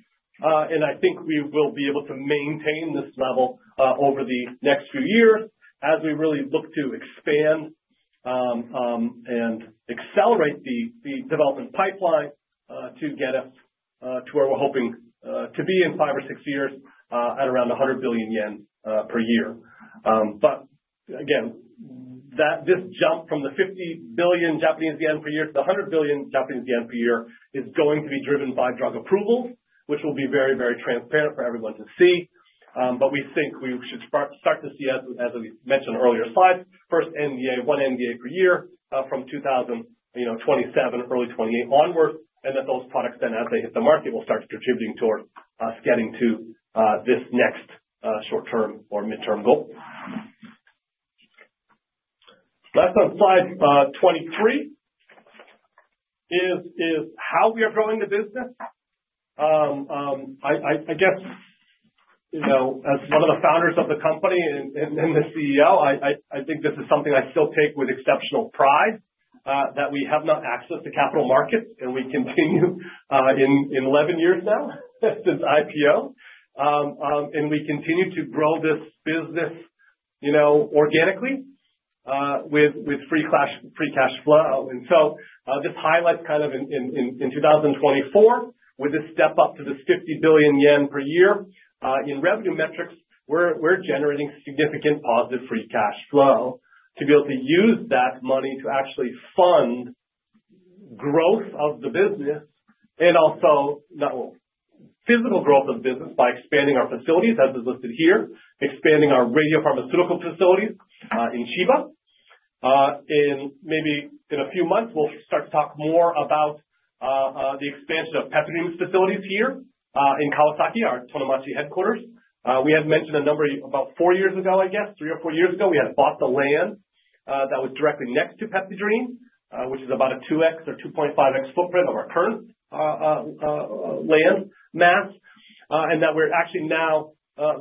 and I think we will be able to maintain this level over the next few years as we really look to expand and accelerate the development pipeline to get us to where we're hoping to be in five or six years at around 100 billion yen per year. But again, this jump from 50 billion Japanese yen per year to 100 billion Japanese yen per year is going to be driven by drug approvals, which will be very, very transparent for everyone to see. But we think we should start to see, as we mentioned on earlier slides, first one NDA per year from 2027, early 2028 onward. And that those products then, as they hit the market, will start contributing towards us getting to this next short-term or midterm goal. Last slide, 23, is how we are growing the business. I guess, as one of the founders of the company and the CEO, I think this is something I still take with exceptional pride that we have not accessed the capital markets. And we continue in 11 years now since IPO. And we continue to grow this business organically with free cash flow. And so, this highlights kind of in 2024, with this step up to this 50 billion yen per year in revenue metrics, we're generating significant positive free cash flow to be able to use that money to actually fund growth of the business and also physical growth of the business by expanding our facilities, as is listed here, expanding our radiopharmaceutical facilities in Chiba. And maybe in a few months, we'll start to talk more about the expansion of PeptiDream's facilities here in Kawasaki, our Tonomachi headquarters. We had mentioned a number about four years ago, I guess, three or four years ago, we had bought the land that was directly next to PeptiDream, which is about a 2x or 2.5x footprint of our current land mass. And that we're actually now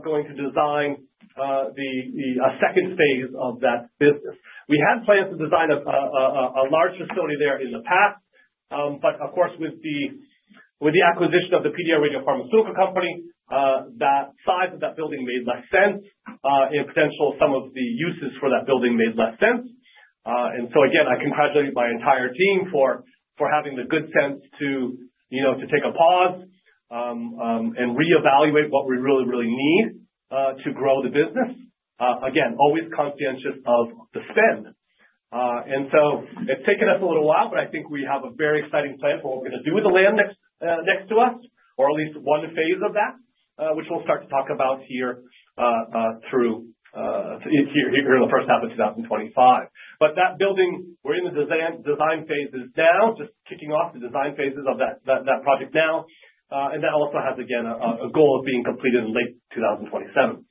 going to design the second phase of that business. We had plans to design a large facility there in the past, but of course, with the acquisition of the PDRadiopharma, that size of that building made less sense, and potential of some of the uses for that building made less sense, and so, again, I congratulate my entire team for having the good sense to take a pause and reevaluate what we really, really need to grow the business. Again, always conscientious of the spend, and so, it's taken us a little while, but I think we have a very exciting plan for what we're going to do with the land next to us, or at least one phase of that, which we'll start to talk about here in the first half of 2025, but that building, we're in the design phases now, just kicking off the design phases of that project now. That also has, again, a goal of being completed in late 2027.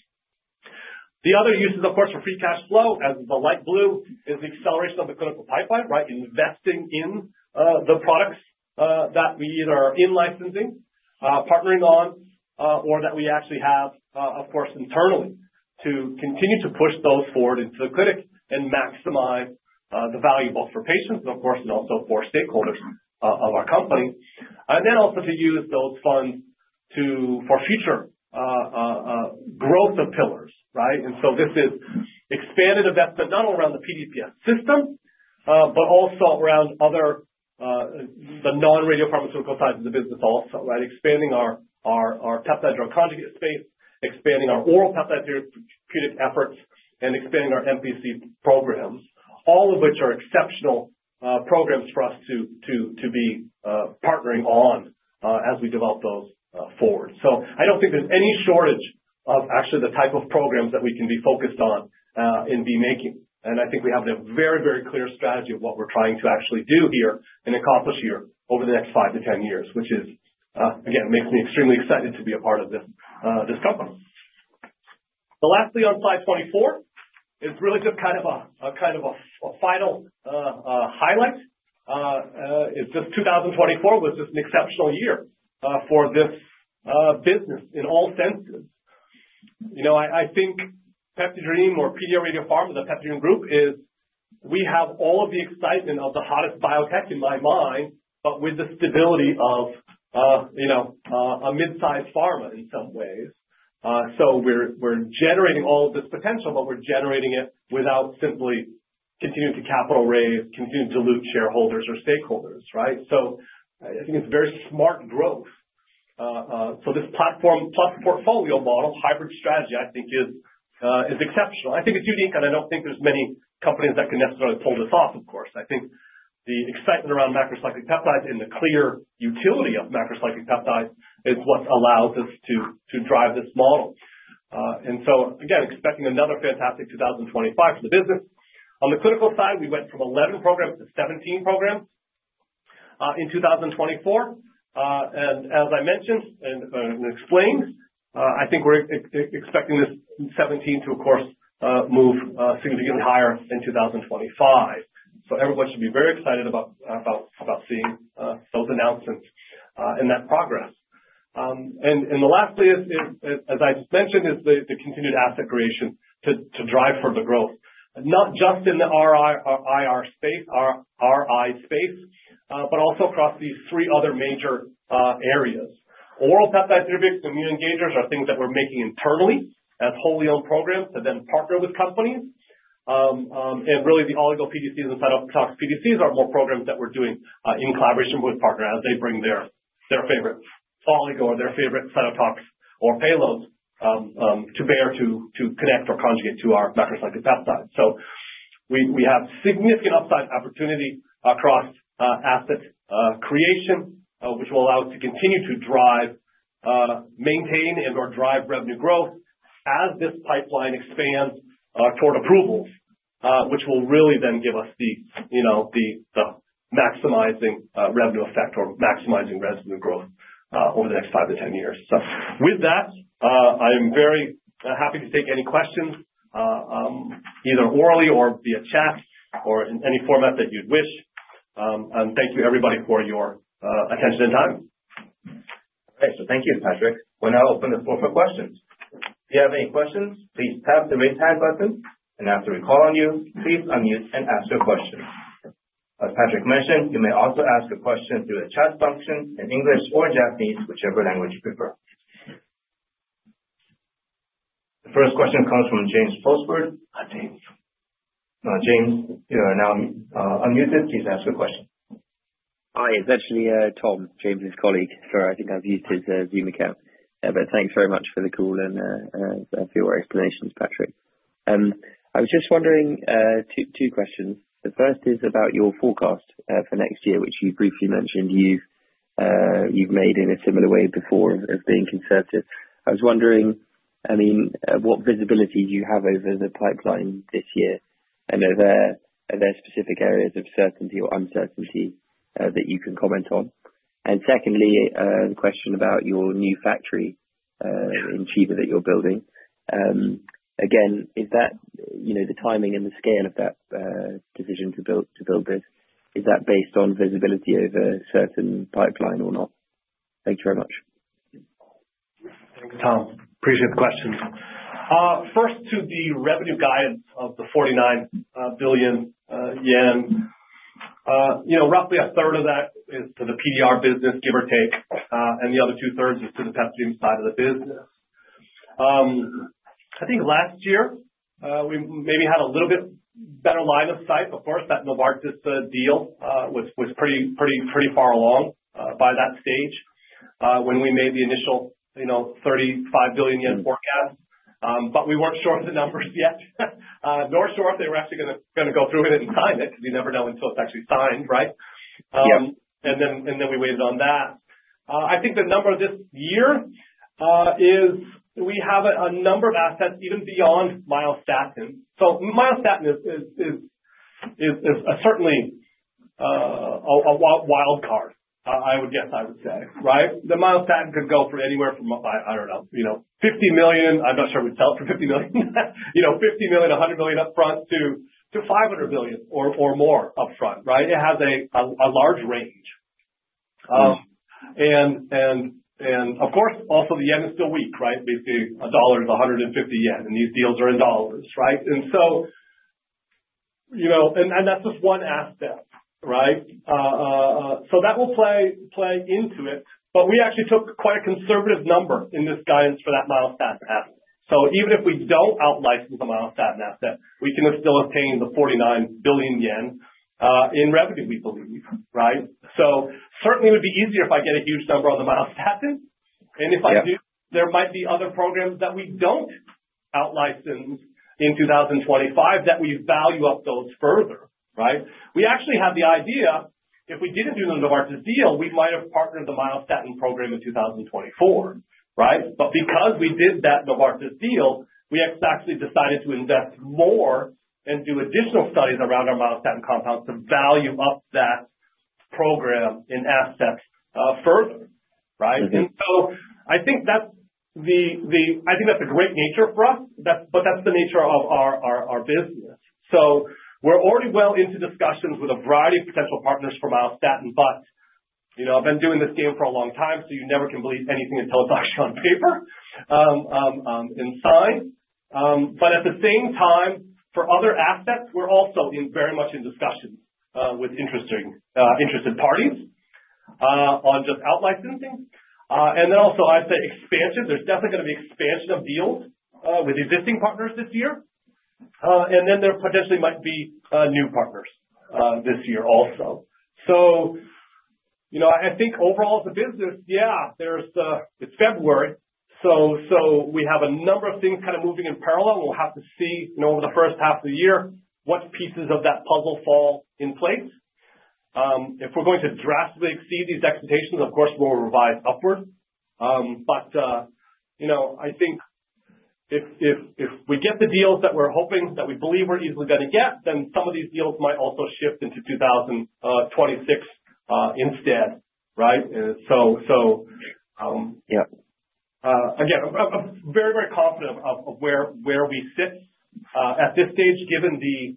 The other uses, of course, for free cash flow, as the light blue, is the acceleration of the clinical pipeline, right, investing in the products that we either are in licensing, partnering on, or that we actually have, of course, internally to continue to push those forward into the clinic and maximize the value both for patients, and of course, and also for stakeholders of our company. Then also to use those funds for future growth of pillars, right? This is expanded investment, not only around the PDPS system, but also around the non-radio pharmaceutical side of the business also, right, expanding our peptide drug conjugate space, expanding our oral peptide therapeutic efforts, and expanding our MPC programs, all of which are exceptional programs for us to be partnering on as we develop those forward. I don't think there's any shortage of actually the type of programs that we can be focused on and be making. I think we have a very, very clear strategy of what we're trying to actually do here and accomplish here over the next five-to-ten years, which is, again, makes me extremely excited to be a part of this company. The last thing on slide 24 is really just kind of a final highlight. It's just 2024 was just an exceptional year for this business in all senses. I think PeptiDream or PDRadiopharma and the PeptiDream Group is we have all of the excitement of the hottest biotech in my mind, but with the stability of a mid-size pharma in some ways. So, we're generating all of this potential, but we're generating it without simply continuing to capital raise, continuing to dilute shareholders or stakeholders, right? So, I think it's very smart growth. So, this platform plus portfolio model, hybrid strategy, I think is exceptional. I think it's unique, and I don't think there's many companies that can necessarily pull this off, of course. I think the excitement around macrocyclic peptides and the clear utility of macrocyclic peptides is what allows us to drive this model. And so, again, expecting another fantastic 2025 for the business. On the clinical side, we went from 11 programs to 17 programs in 2024. As I mentioned and explained, I think we're expecting this 17 to, of course, move significantly higher in 2025. Everyone should be very excited about seeing those announcements and that progress. The last piece, as I just mentioned, is the continued asset creation to drive further growth, not just in the RI space, RI space, but also across these three other major areas. Oral peptide therapeutics and immune engagers are things that we're making internally as wholly owned programs to then partner with companies. Really, the oligo PDCs and cytotox PDCs are more programs that we're doing in collaboration with partners as they bring their favorite oligo or their favorite cytotox or payloads to bear to connect or conjugate to our macrocyclic peptides. So, we have significant upside opportunity across asset creation, which will allow us to continue to drive, maintain, and/or drive revenue growth as this pipeline expands toward approvals, which will really then give us the maximizing revenue effect or maximizing revenue growth over the next five to 10 years. So, with that, I am very happy to take any questions either orally or via chat or in any format that you'd wish. And thank you, everybody, for your attention and time. All right. So, thank you, Patrick. We'll now open the floor for questions. If you have any questions, please tap the raise hand button. And after we call on you, please unmute and ask your question. As Patrick mentioned, you may also ask a question through the chat function in English or Japanese, whichever language you prefer. The first question comes from James Hosford. Hi, James. James, you are now unmuted. Please ask your question. Hi. It's actually Tom, James's colleague. Sorry, I think I've used his Zoom account. But thanks very much for the call and for your explanations, Patrick. I was just wondering, two questions. The first is about your forecast for next year, which you briefly mentioned you've made in a similar way before of being conservative. I was wondering, I mean, what visibility do you have over the pipeline this year? And are there specific areas of certainty or uncertainty that you can comment on? And secondly, the question about your new factory in Chiba that you're building. Again, is that the timing and the scale of that decision to build this? Is that based on visibility over certain pipeline or not? Thank you very much. Thanks, Tom. Appreciate the question. First, to the revenue guidance of 49 billion yen, roughly a third of that is to the PDR business, give or take. And the other two-thirds is to the PeptiDream side of the business. I think last year, we maybe had a little bit better line of sight, of course, that Novartis deal, which was pretty far along by that stage when we made the initial 35 billion yen forecast. But we weren't sure of the numbers yet, nor sure if they were actually going to go through with it and sign it, because you never know until it's actually signed, right? And then we waited on that. I think the number this year is we have a number of assets even beyond myostatin. So, myostatin is certainly a wild card, I would guess I would say, right? The myostatin could go for anywhere from, I don't know, $50 million. I'm not sure we'd sell it for $50 million. $50 million, $100 million upfront to $500 million or more upfront, right? It has a large range. And of course, also the yen is still weak, right? Basically, a dollar is 150 yen, and these deals are in dollars, right? And that's just one aspect, right? So that will play into it. But we actually took quite a conservative number in this guidance for that myostatin asset. So even if we don't out-license the myostatin asset, we can still obtain the 49 billion yen in revenue, we believe, right? So certainly, it would be easier if I get a huge number on the myostatin. And if I do, there might be other programs that we don't out-license in 2025 that we value up those further, right? We actually had the idea if we didn't do the Novartis deal, we might have partnered the myostatin program in 2024, right? But because we did that Novartis deal, we actually decided to invest more and do additional studies around our myostatin compounds to value up that program in assets further, right? And so I think that's the great nature for us, but that's the nature of our business. So we're already well into discussions with a variety of potential partners for myostatin, but I've been doing this game for a long time, so you never can believe anything until it's actually on paper and signed. But at the same time, for other assets, we're also very much in discussion with interested parties on just out-licensing. And then also, I'd say expansion. There's definitely going to be expansion of deals with existing partners this year. And then there potentially might be new partners this year also. So I think overall, as a business, yeah, it's February. So we have a number of things kind of moving in parallel. We'll have to see over the first half of the year what pieces of that puzzle fall in place. If we're going to drastically exceed these expectations, of course, we'll revise upward. But I think if we get the deals that we're hoping, that we believe we're easily going to get, then some of these deals might also shift into 2026 instead, right? So again, I'm very, very confident of where we sit at this stage, given the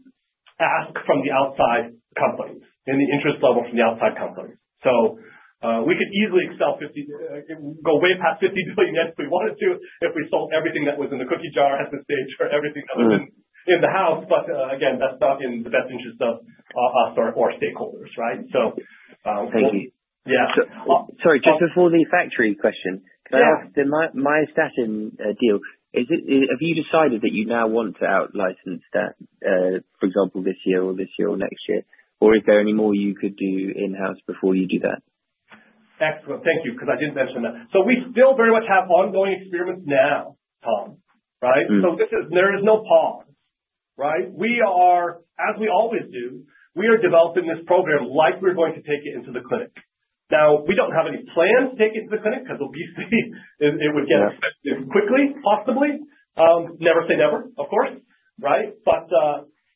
ask from the outside companies and the interest level from the outside companies. We could easily exceed 50, go way past 50 billion yen if we wanted to, if we sold everything that was in the cookie jar at this stage or everything that was in the house. But again, that's not in the best interest of us or our stakeholders, right? So. Thank you. Yeah. Sorry, just before the factory question, can I ask the myostatin deal? Have you decided that you now want to out-license that, for example, this year or this year or next year? Or is there any more you could do in-house before you do that? Excellent. Thank you, because I didn't mention that. So we still very much have ongoing experiments now, Tom, right? So there is no pause, right? As we always do, we are developing this program like we're going to take it into the clinic. Now, we don't have any plans to take it to the clinic because obviously, it would get infected quickly, possibly. Never say never, of course, right? But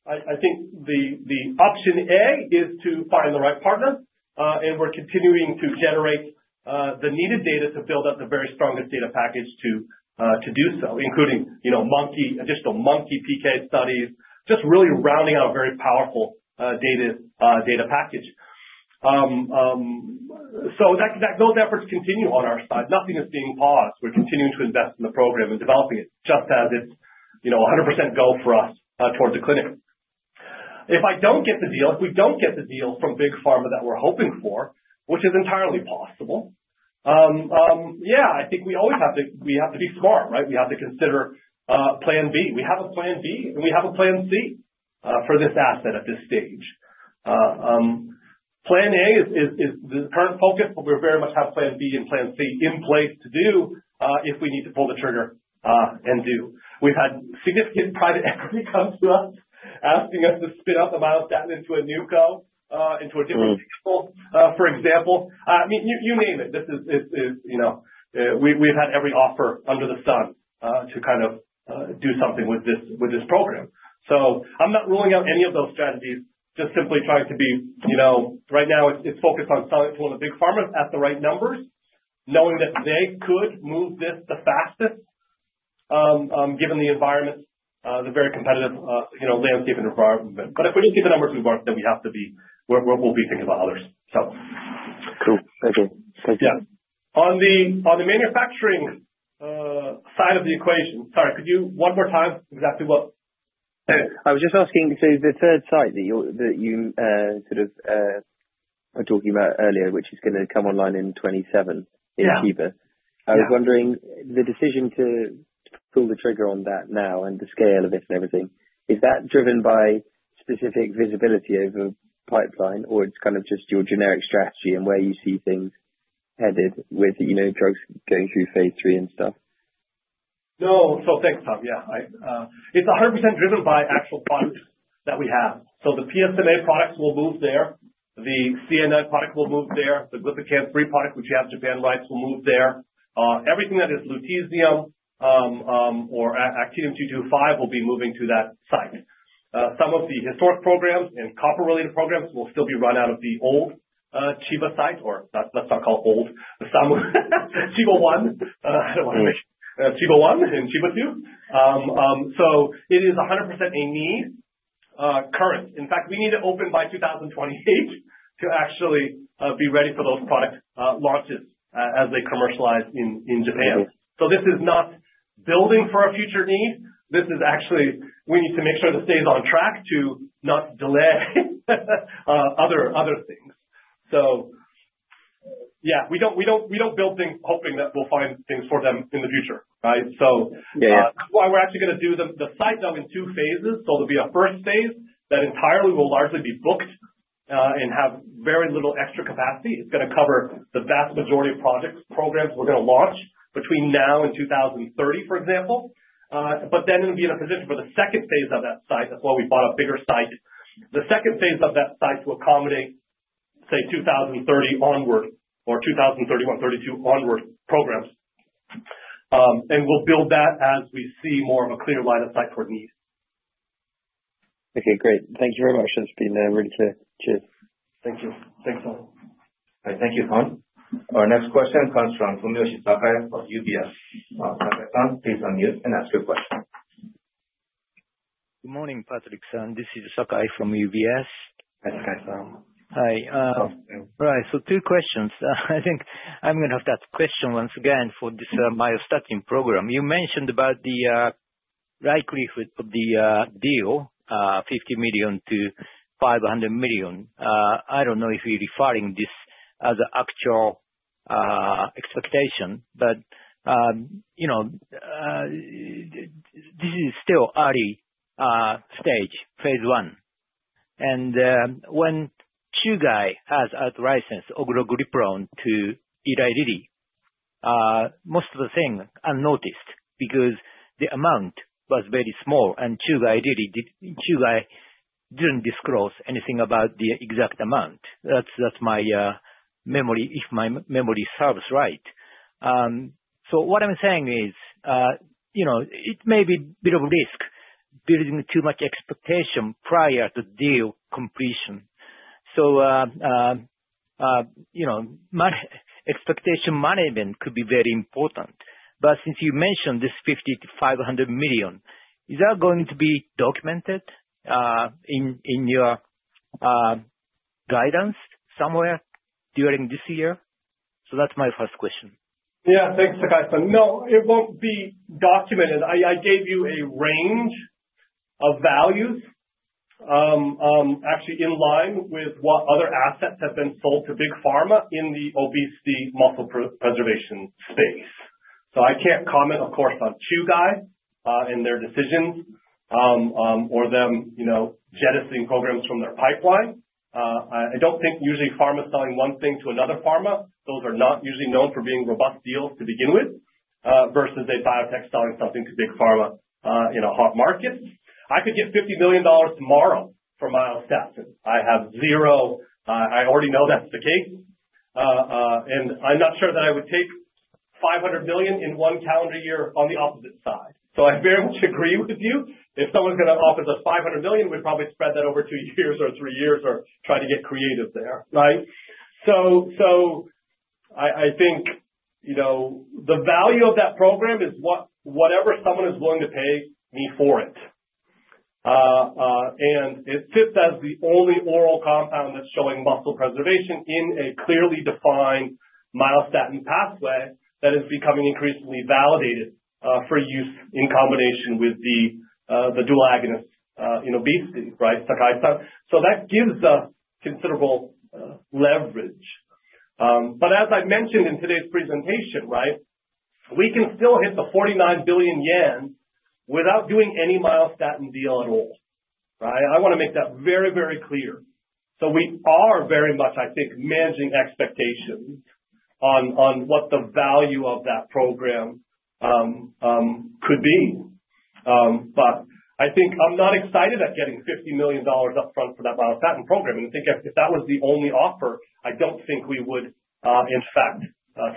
I think the option A is to find the right partner. And we're continuing to generate the needed data to build up the very strongest data package to do so, including additional monkey PK studies, just really rounding out a very powerful data package. So those efforts continue on our side. Nothing is being paused. We're continuing to invest in the program and developing it just as it's 100% go for us towards the clinic. If I don't get the deal, if we don't get the deal from big pharma that we're hoping for, which is entirely possible, yeah, I think we always have to be smart, right? We have to consider plan B. We have a plan B, and we have a plan C for this asset at this stage. Plan A is the current focus, but we very much have plan B and plan C in place to do if we need to pull the trigger and do. We've had significant private equity come to us asking us to spin up the myostatin into a new co., into a different vehicle, for example. I mean, you name it. We've had every offer under the sun to kind of do something with this program. I'm not ruling out any of those strategies, just simply trying to be right now. It's focused on selling it to one of the big pharmas at the right numbers, knowing that they could move this the fastest, given the environment, the very competitive landscape and environment. But if we don't get the numbers we want, then we'll be thinking about others, so. Cool. Thank you. Thank you. Yeah. On the manufacturing side of the equation, sorry, could you one more time exactly what? I was just asking, so the third site that you sort of were talking about earlier, which is going to come online in 2027 in Chiba, I was wondering, the decision to pull the trigger on that now and the scale of it and everything, is that driven by specific visibility over pipeline, or it's kind of just your generic strategy and where you see things headed with drugs going through phase III and stuff? No. So thanks, Tom. Yeah. It's 100% driven by actual funds that we have. So the PSMA products will move there. The CA9 product will move there. The Glypican-3 product, which you have Japan rights, will move there. Everything that is lutetium or actinium-22 will be moving to that site. Some of the historic programs and copper-related programs will still be run out of the old Chiba site, or let's not call it old, Chiba 1. I don't want to say Chiba 1 and Chiba 2. So it is 100% a current need. In fact, we need to open by 2028 to actually be ready for those product launches as they commercialize in Japan. So this is not building for a future need. This is actually we need to make sure this stays on track to not delay other things. So yeah, we don't build things hoping that we'll find things for them in the future, right? So that's why we're actually going to do the site, though, in two phases. So there'll be a first phase that entirely will largely be booked and have very little extra capacity. It's going to cover the vast majority of projects, programs we're going to launch between now and 2030, for example. But then it'll be in a position for the second phase of that site. That's why we bought a bigger site. The second phase of that site to accommodate, say, 2030 onward or 2031, 2032 onward programs. And we'll build that as we see more of a clear line of sight toward need. Okay. Great. Thank you very much. Thank you. Thanks, Tom. All right. Thank you, Tom. Our next question comes from Fumiyoshi Sakai of UBS. Sakai-san, please unmute and ask your question. Good morning, Patrick. This is Sakai from UBS. Hi, Sakai-san. Hi. Right. So two questions. I think I'm going to have that question once again for this myostatin program. You mentioned about the likelihood of the deal, $50 million-$500 million. I don't know if you're referring this as an actual expectation, but this is still early stage, phase I. And when Chugai has out-licensed orforglipron to Eli Lilly, most of the things are noticed because the amount was very small, and Chugai didn't disclose anything about the exact amount. That's my memory, if my memory serves right. So what I'm saying is it may be a bit of risk building too much expectation prior to deal completion. So expectation management could be very important. But since you mentioned this $50 million-$500 million, is that going to be documented in your guidance somewhere during this year? So that's my first question. Yeah. Thanks, Sakai. No, it won't be documented. I gave you a range of values, actually in line with what other assets have been sold to big pharma in the obesity muscle preservation space. So I can't comment, of course, on Chugai and their decisions or them jettisoning programs from their pipeline. I don't think usually pharma selling one thing to another pharma, those are not usually known for being robust deals to begin with, versus a biotech selling something to big pharma in a hot market. I could get $50 million tomorrow for myostatin. I have zero. I already know that's the case. And I'm not sure that I would take $500 million in one calendar year on the opposite side. So I very much agree with you. If someone's going to offer the $500 million, we'd probably spread that over two years or three years or try to get creative there, right? So I think the value of that program is whatever someone is willing to pay me for it. And it sits as the only oral compound that's showing muscle preservation in a clearly defined myostatin pathway that is becoming increasingly validated for use in combination with the dual agonist in obesity, right, Sakai-san? So that gives us considerable leverage. But as I mentioned in today's presentation, right, we can still hit the 49 billion yen without doing any myostatin deal at all, right? I want to make that very, very clear. So we are very much, I think, managing expectations on what the value of that program could be. But I think I'm not excited at getting $50 million upfront for that myostatin program. I think if that was the only offer, I don't think we would, in fact,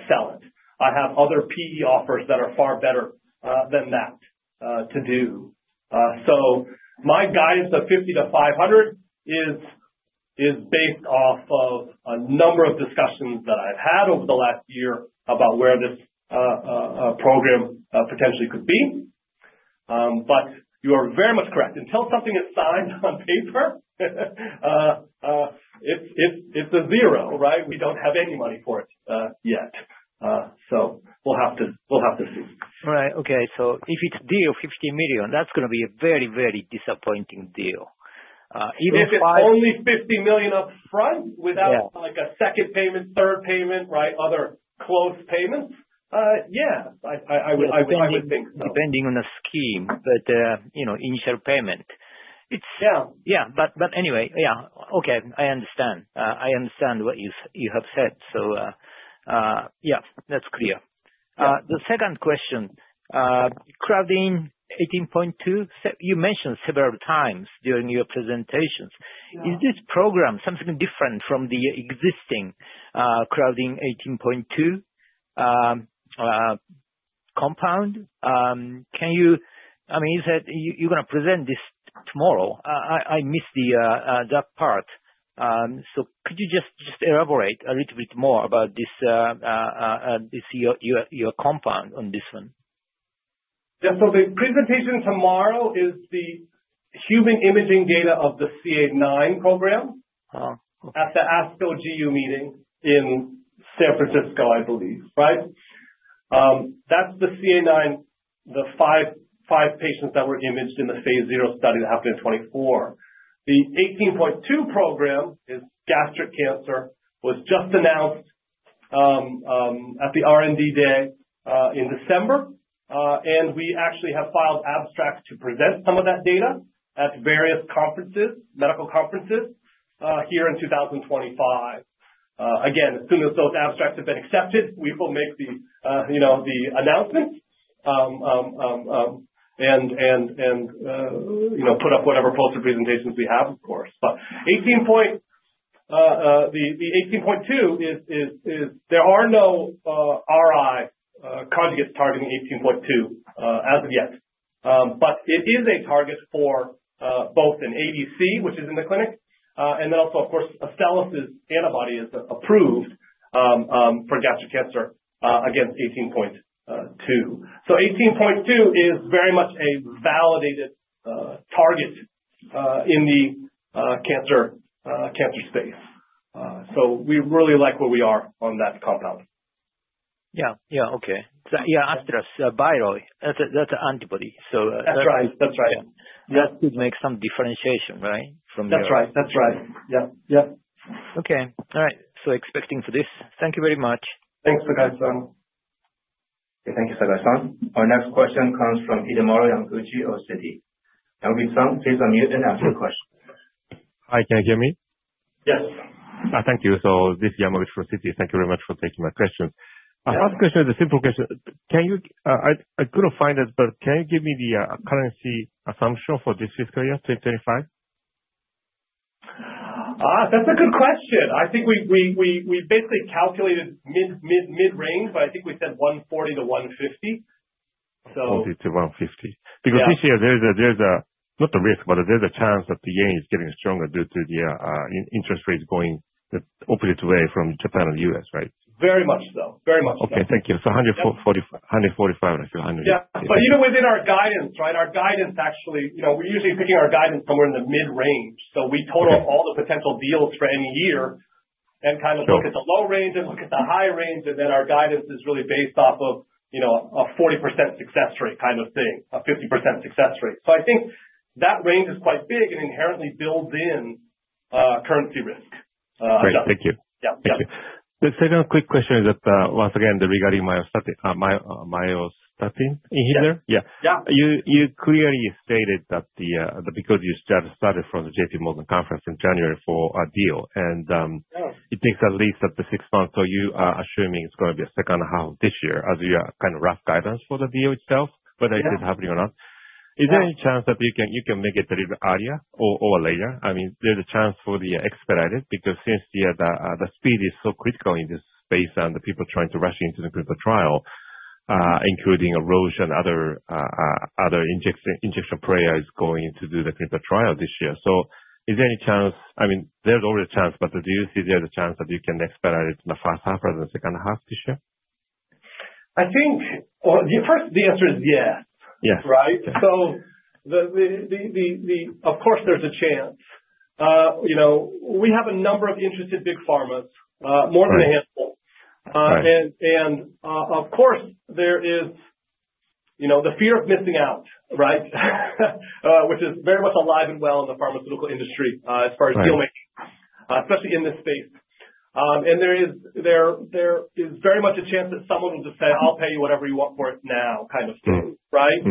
sell it. I have other PE offers that are far better than that to do. So my guidance of $50 million-$500 million is based of a number of discussions that I've had over the last year about where this program potentially could be. But you are very much correct. Until something is signed on paper, it's a zero, right? We don't have any money for it yet. So we'll have to see. Right. Okay. So if it's a deal of $50 million, that's going to be a very, very disappointing deal. Even if I— If it's only $50 million upfront without a second payment, third payment, right, other close payments, yeah, I would think so. Depending on the scheme, but initial payment. Yeah. Yeah. But anyway, yeah. Okay. I understand. I understand what you have said. So yeah, that's clear. The second question, Claudin 18.2, you mentioned several times during your presentations. Is this program something different from the existing Claudin 18.2 compound? I mean, you're going to present this tomorrow. I missed that part. So could you just elaborate a little bit more about your compound on this one? Yeah. So the presentation tomorrow is the human imaging data of the CA9 program at the ASCO GU meeting in San Francisco, I believe, right? That's the CA9, the five patients that were imaged in the phase zero study that happened in 2024. The 18.2 program is gastric cancer, was just announced at the R&D day in December. And we actually have filed abstracts to present some of that data at various medical conferences here in 2025. Again, as soon as those abstracts have been accepted, we will make the announcements and put up whatever poster presentations we have, of course. But the 18.2, there are no RI conjugates targeting 18.2 as of yet. But it is a target for both an ADC, which is in the clinic, and then also, of course, Zolbetuximab antibody is approved for gastric cancer against 18.2. 18.2 is very much a validated target in the cancer space. We really like where we are on that compound. that's an antibody. So. That's right. That's right. That could make some differentiation, right, from the... That's right. Yep. Okay. All right, so expecting for this. Thank you very much. Thanks, Sakai-san. Okay. Thank you, Sakai-san. Our next question comes from Hidemaru Yamaguchi of Citi. Yamaguchi-san, please unmute and ask your question. Hi. Can you hear me? Yes. Thank you. So this is Yamaguchi from Citi. Thank you very much for taking my questions. Sure. My first question is a simple question. I couldn't find it, but can you give me the currency assumption for this fiscal year, 2025? That's a good question. I think we basically calculated mid-range, but I think we said 140 to 150, so. 140-150. Because this year, there's a, not the risk, but there's a chance that the yen is getting stronger due to the interest rates going the opposite way from Japan and the U.S., right? Very much so. Very much so. Okay. Thank you. So 145, I feel, 100. Yeah, but within our guidance, right? Our guidance actually, we're usually picking our guidance somewhere in the mid-range. So we total all the potential deals for any year and kind of look at the low range and look at the high range. And then our guidance is really based off of a 40% success rate kind of thing, a 50% success rate. So I think that range is quite big and inherently builds in currency risk. Okay. Thank you. Yeah. Yeah. Thank you. The second quick question is that, once again, regarding myostatin inhibitor. Yeah. Yeah. Yeah. You clearly stated that because you just started from the JPMorgan conference in January for a deal, and it takes at least up to six months. So you are assuming it's going to be a second half of this year as your kind of rough guidance for the deal itself, whether it is happening or not. Is there any chance that you can make it a little earlier or later? I mean, there's a chance for the expedited because since the speed is so critical in this space and the people trying to rush into the clinical trial, including Roche and other injectable players going to do the clinical trial this year. So is there any chance? I mean, there's always a chance, but do you see there's a chance that you can expedite it in the first half rather than the second half this year? I think, well, first, the answer is yes, right? So of course, there's a chance. We have a number of interested big pharmas, more than a handful. And of course, there is the fear of missing out, right, which is very much alive and well in the pharmaceutical industry as far as deal-making, especially in this space. And there is very much a chance that someone will just say, "I'll pay you whatever you want for it now," kind of thing, right?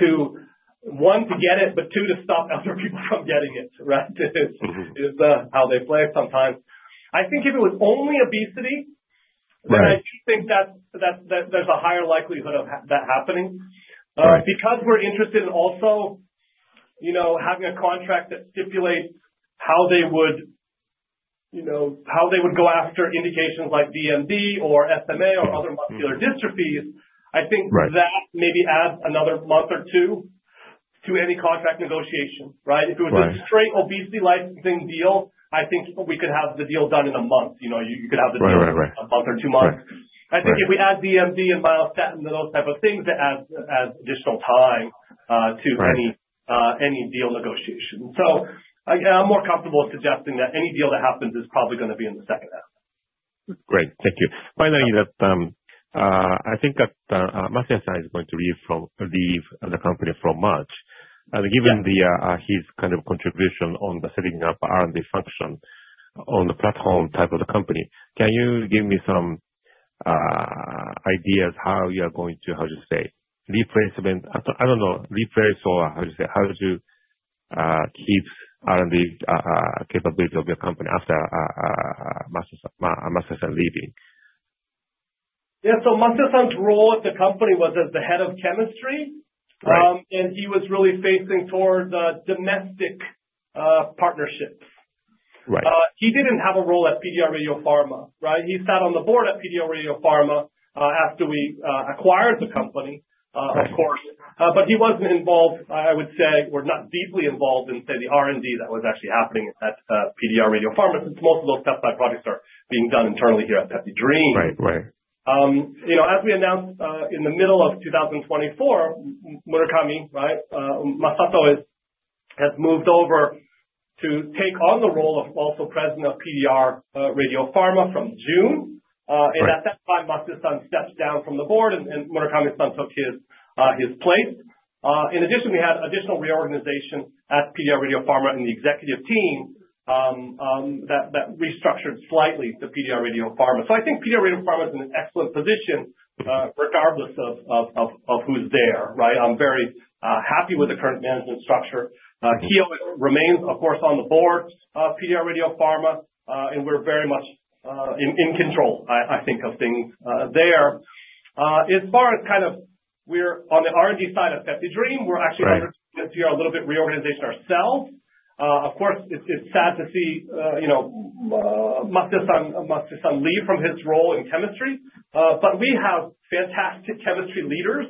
To one, to get it, but two, to stop other people from getting it, right? It's how they play sometimes. I think if it was only obesity, then I do think that there's a higher likelihood of that happening. Because we're interested in also having a contract that stipulates how they would go after indications like DMD or SMA or other muscular dystrophies, I think that maybe adds another month or two to any contract negotiation, right? If it was a straight obesity licensing deal, I think we could have the deal done in a month. You could have the deal in a month or two months. I think if we add DMD and myostatin to those type of things, that adds additional time to any deal negotiation. So I'm more comfortable suggesting that any deal that happens is probably going to be in the second half. Great. Thank you. Finally, I think Masuya-san is going to leave the company from March. And given his kind of contribution on the setting up R&D function on the platform type of the company, can you give me some ideas how you are going to, how to say, replacement? I don't know, replace or how to say, how to keep R&D capability of your company Masuya-san leaving? Yeah. Masuya-san's role at the company was as the head of chemistry. And he was really focusing towards domestic partnerships. He didn't have a role at PDRadiopharma, right? He sat on the board at PDRadiopharma after we acquired the company, of course. But he wasn't involved, I would say, or not deeply involved in, say, the R&D that was actually happening at PDRadiopharma since most of those tests and products are being done internally here at PeptiDream. Right. Right. As we announced in the middle of 2024, Murakami-san, right, Masato has moved over to take on the role of also president of PDRadiopharma from June. And at Masuya-san stepped down from the board, and Murakami-san took his place. In addition, we had additional reorganization at PDRadiopharma in the executive team that restructured slightly to PDRadiopharma. So I think PDRadiopharma is in an excellent position regardless of who's there, right? I'm very happy with the current management structure. Kiyo remains, of course, on the board of PDRadiopharma, and we're very much in control, I think, of things there. As far as kind of we're on the R&D side of PeptiDream, we're actually undergoing a little bit of reorganization ourselves. Of course, it's sad Masuya-san leave from his role in chemistry. But we have fantastic chemistry leaders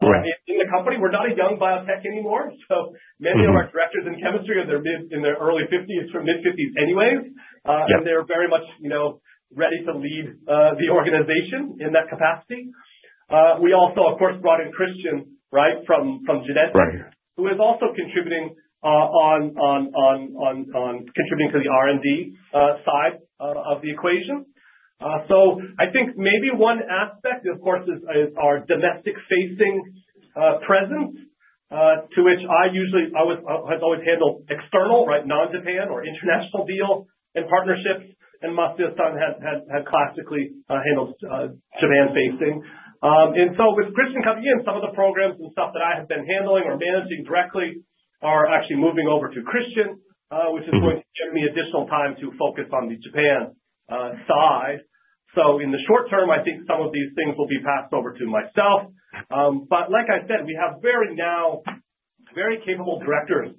in the company. We're not a young biotech anymore. So many of our directors in chemistry are in their early 50s or mid-50s anyways. And they're very much ready to lead the organization in that capacity. We also, of course, brought in Christian, right, from Genentech, who is also contributing on contributing to the R&D side of the equation. So I think maybe one aspect, of course, is our domestic-facing presence to which I usually have always handled external, right, non-Japan or international deal and Masuya-san had classically handled Japan-facing. And so with Christian coming in, some of the programs and stuff that I have been handling or managing directly are actually moving over to Christian, which is going to give me additional time to focus on the Japan side. In the short term, I think some of these things will be passed over to myself. But like I said, we now have very capable directors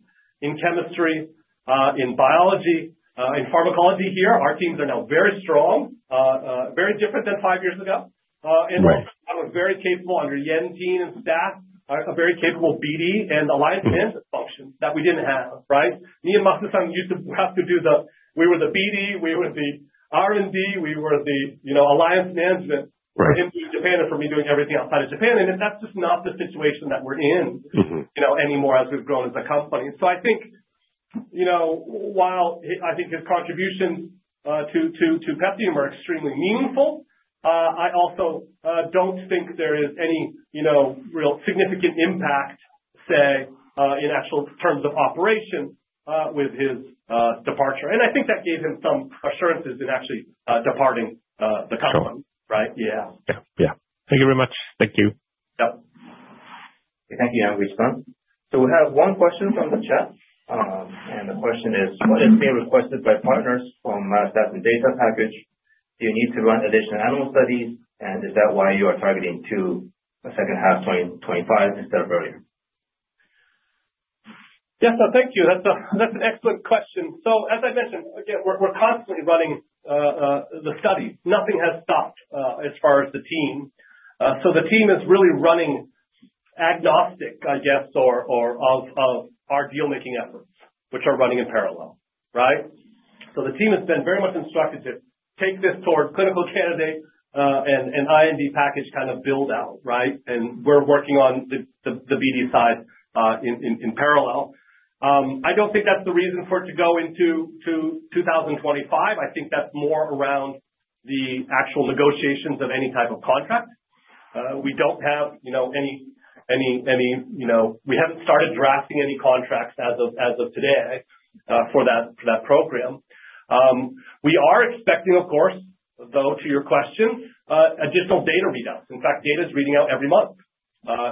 in chemistry, in biology, in pharmacology here. Our teams are now very strong, very different than five years ago. And we're very capable under Yen Ting and staff, a very capable BD and alliance management function that we didn't have, right? Masuya-san used to have to do it. We were the BD, we were the R&D, we were the alliance management for him doing Japan and for me doing everything outside of Japan. And that's just not the situation that we're in anymore as we've grown as a company. So I think while his contributions to PeptiDream are extremely meaningful, I also don't think there is any real significant impact, say, in actual terms of operation with his departure. And I think that gave him some assurances in actually departing the company, right? Yeah. Yeah. Yeah. Thank you very much. Thank you. Yep. Okay. Thank you, Yamaguchi Tom. So we have one question from the chat. And the question is, "What has been requested by partners from myostatin data package? Do you need to run additional animal studies? And is that why you are targeting to the second half 2025 instead of earlier? Yes. Thank you. That's an excellent question. So as I mentioned, again, we're constantly running the studies. Nothing has stopped as far as the team. So the team is really running agnostic, I guess, of our deal-making efforts, which are running in parallel, right? So the team has been very much instructed to take this toward clinical candidate and IND package kind of build-out, right? And we're working on the BD side in parallel. I don't think that's the reason for it to go into 2025. I think that's more around the actual negotiations of any type of contract. We don't have any, we haven't started drafting any contracts as of today for that program. We are expecting, of course, though, to your question, additional data readouts. In fact, data is reading out every month.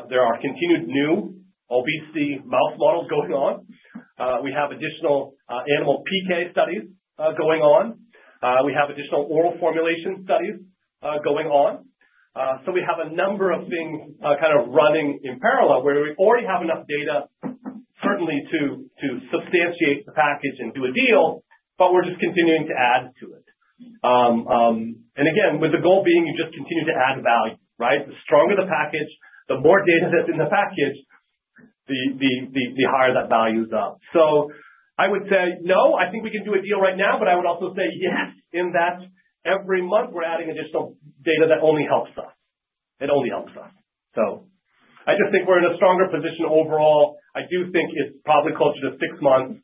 There are continued new obesity mouse models going on. We have additional animal PK studies going on. We have additional oral formulation studies going on. So we have a number of things kind of running in parallel where we already have enough data, certainly, to substantiate the package and do a deal, but we're just continuing to add to it. And again, with the goal being you just continue to add value, right? The stronger the package, the more data that's in the package, the higher that value is up. So I would say, "No, I think we can do a deal right now." But I would also say, "Yes, in that every month we're adding additional data that only helps us. It only helps us." So I just think we're in a stronger position overall. I do think it's probably closer to six months,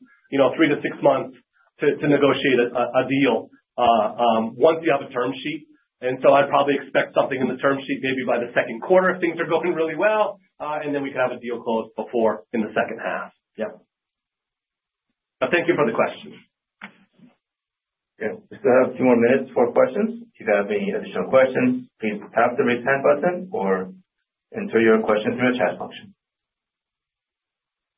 three to six months to negotiate a deal once you have a term sheet. And so I'd probably expect something in the term sheet maybe by the second quarter if things are going really well. And then we could have a deal closed before in the second half. Yeah. But thank you for the question. Okay. We still have a few more minutes for questions. If you have any additional questions, please tap the raise hand button or enter your question through the chat function.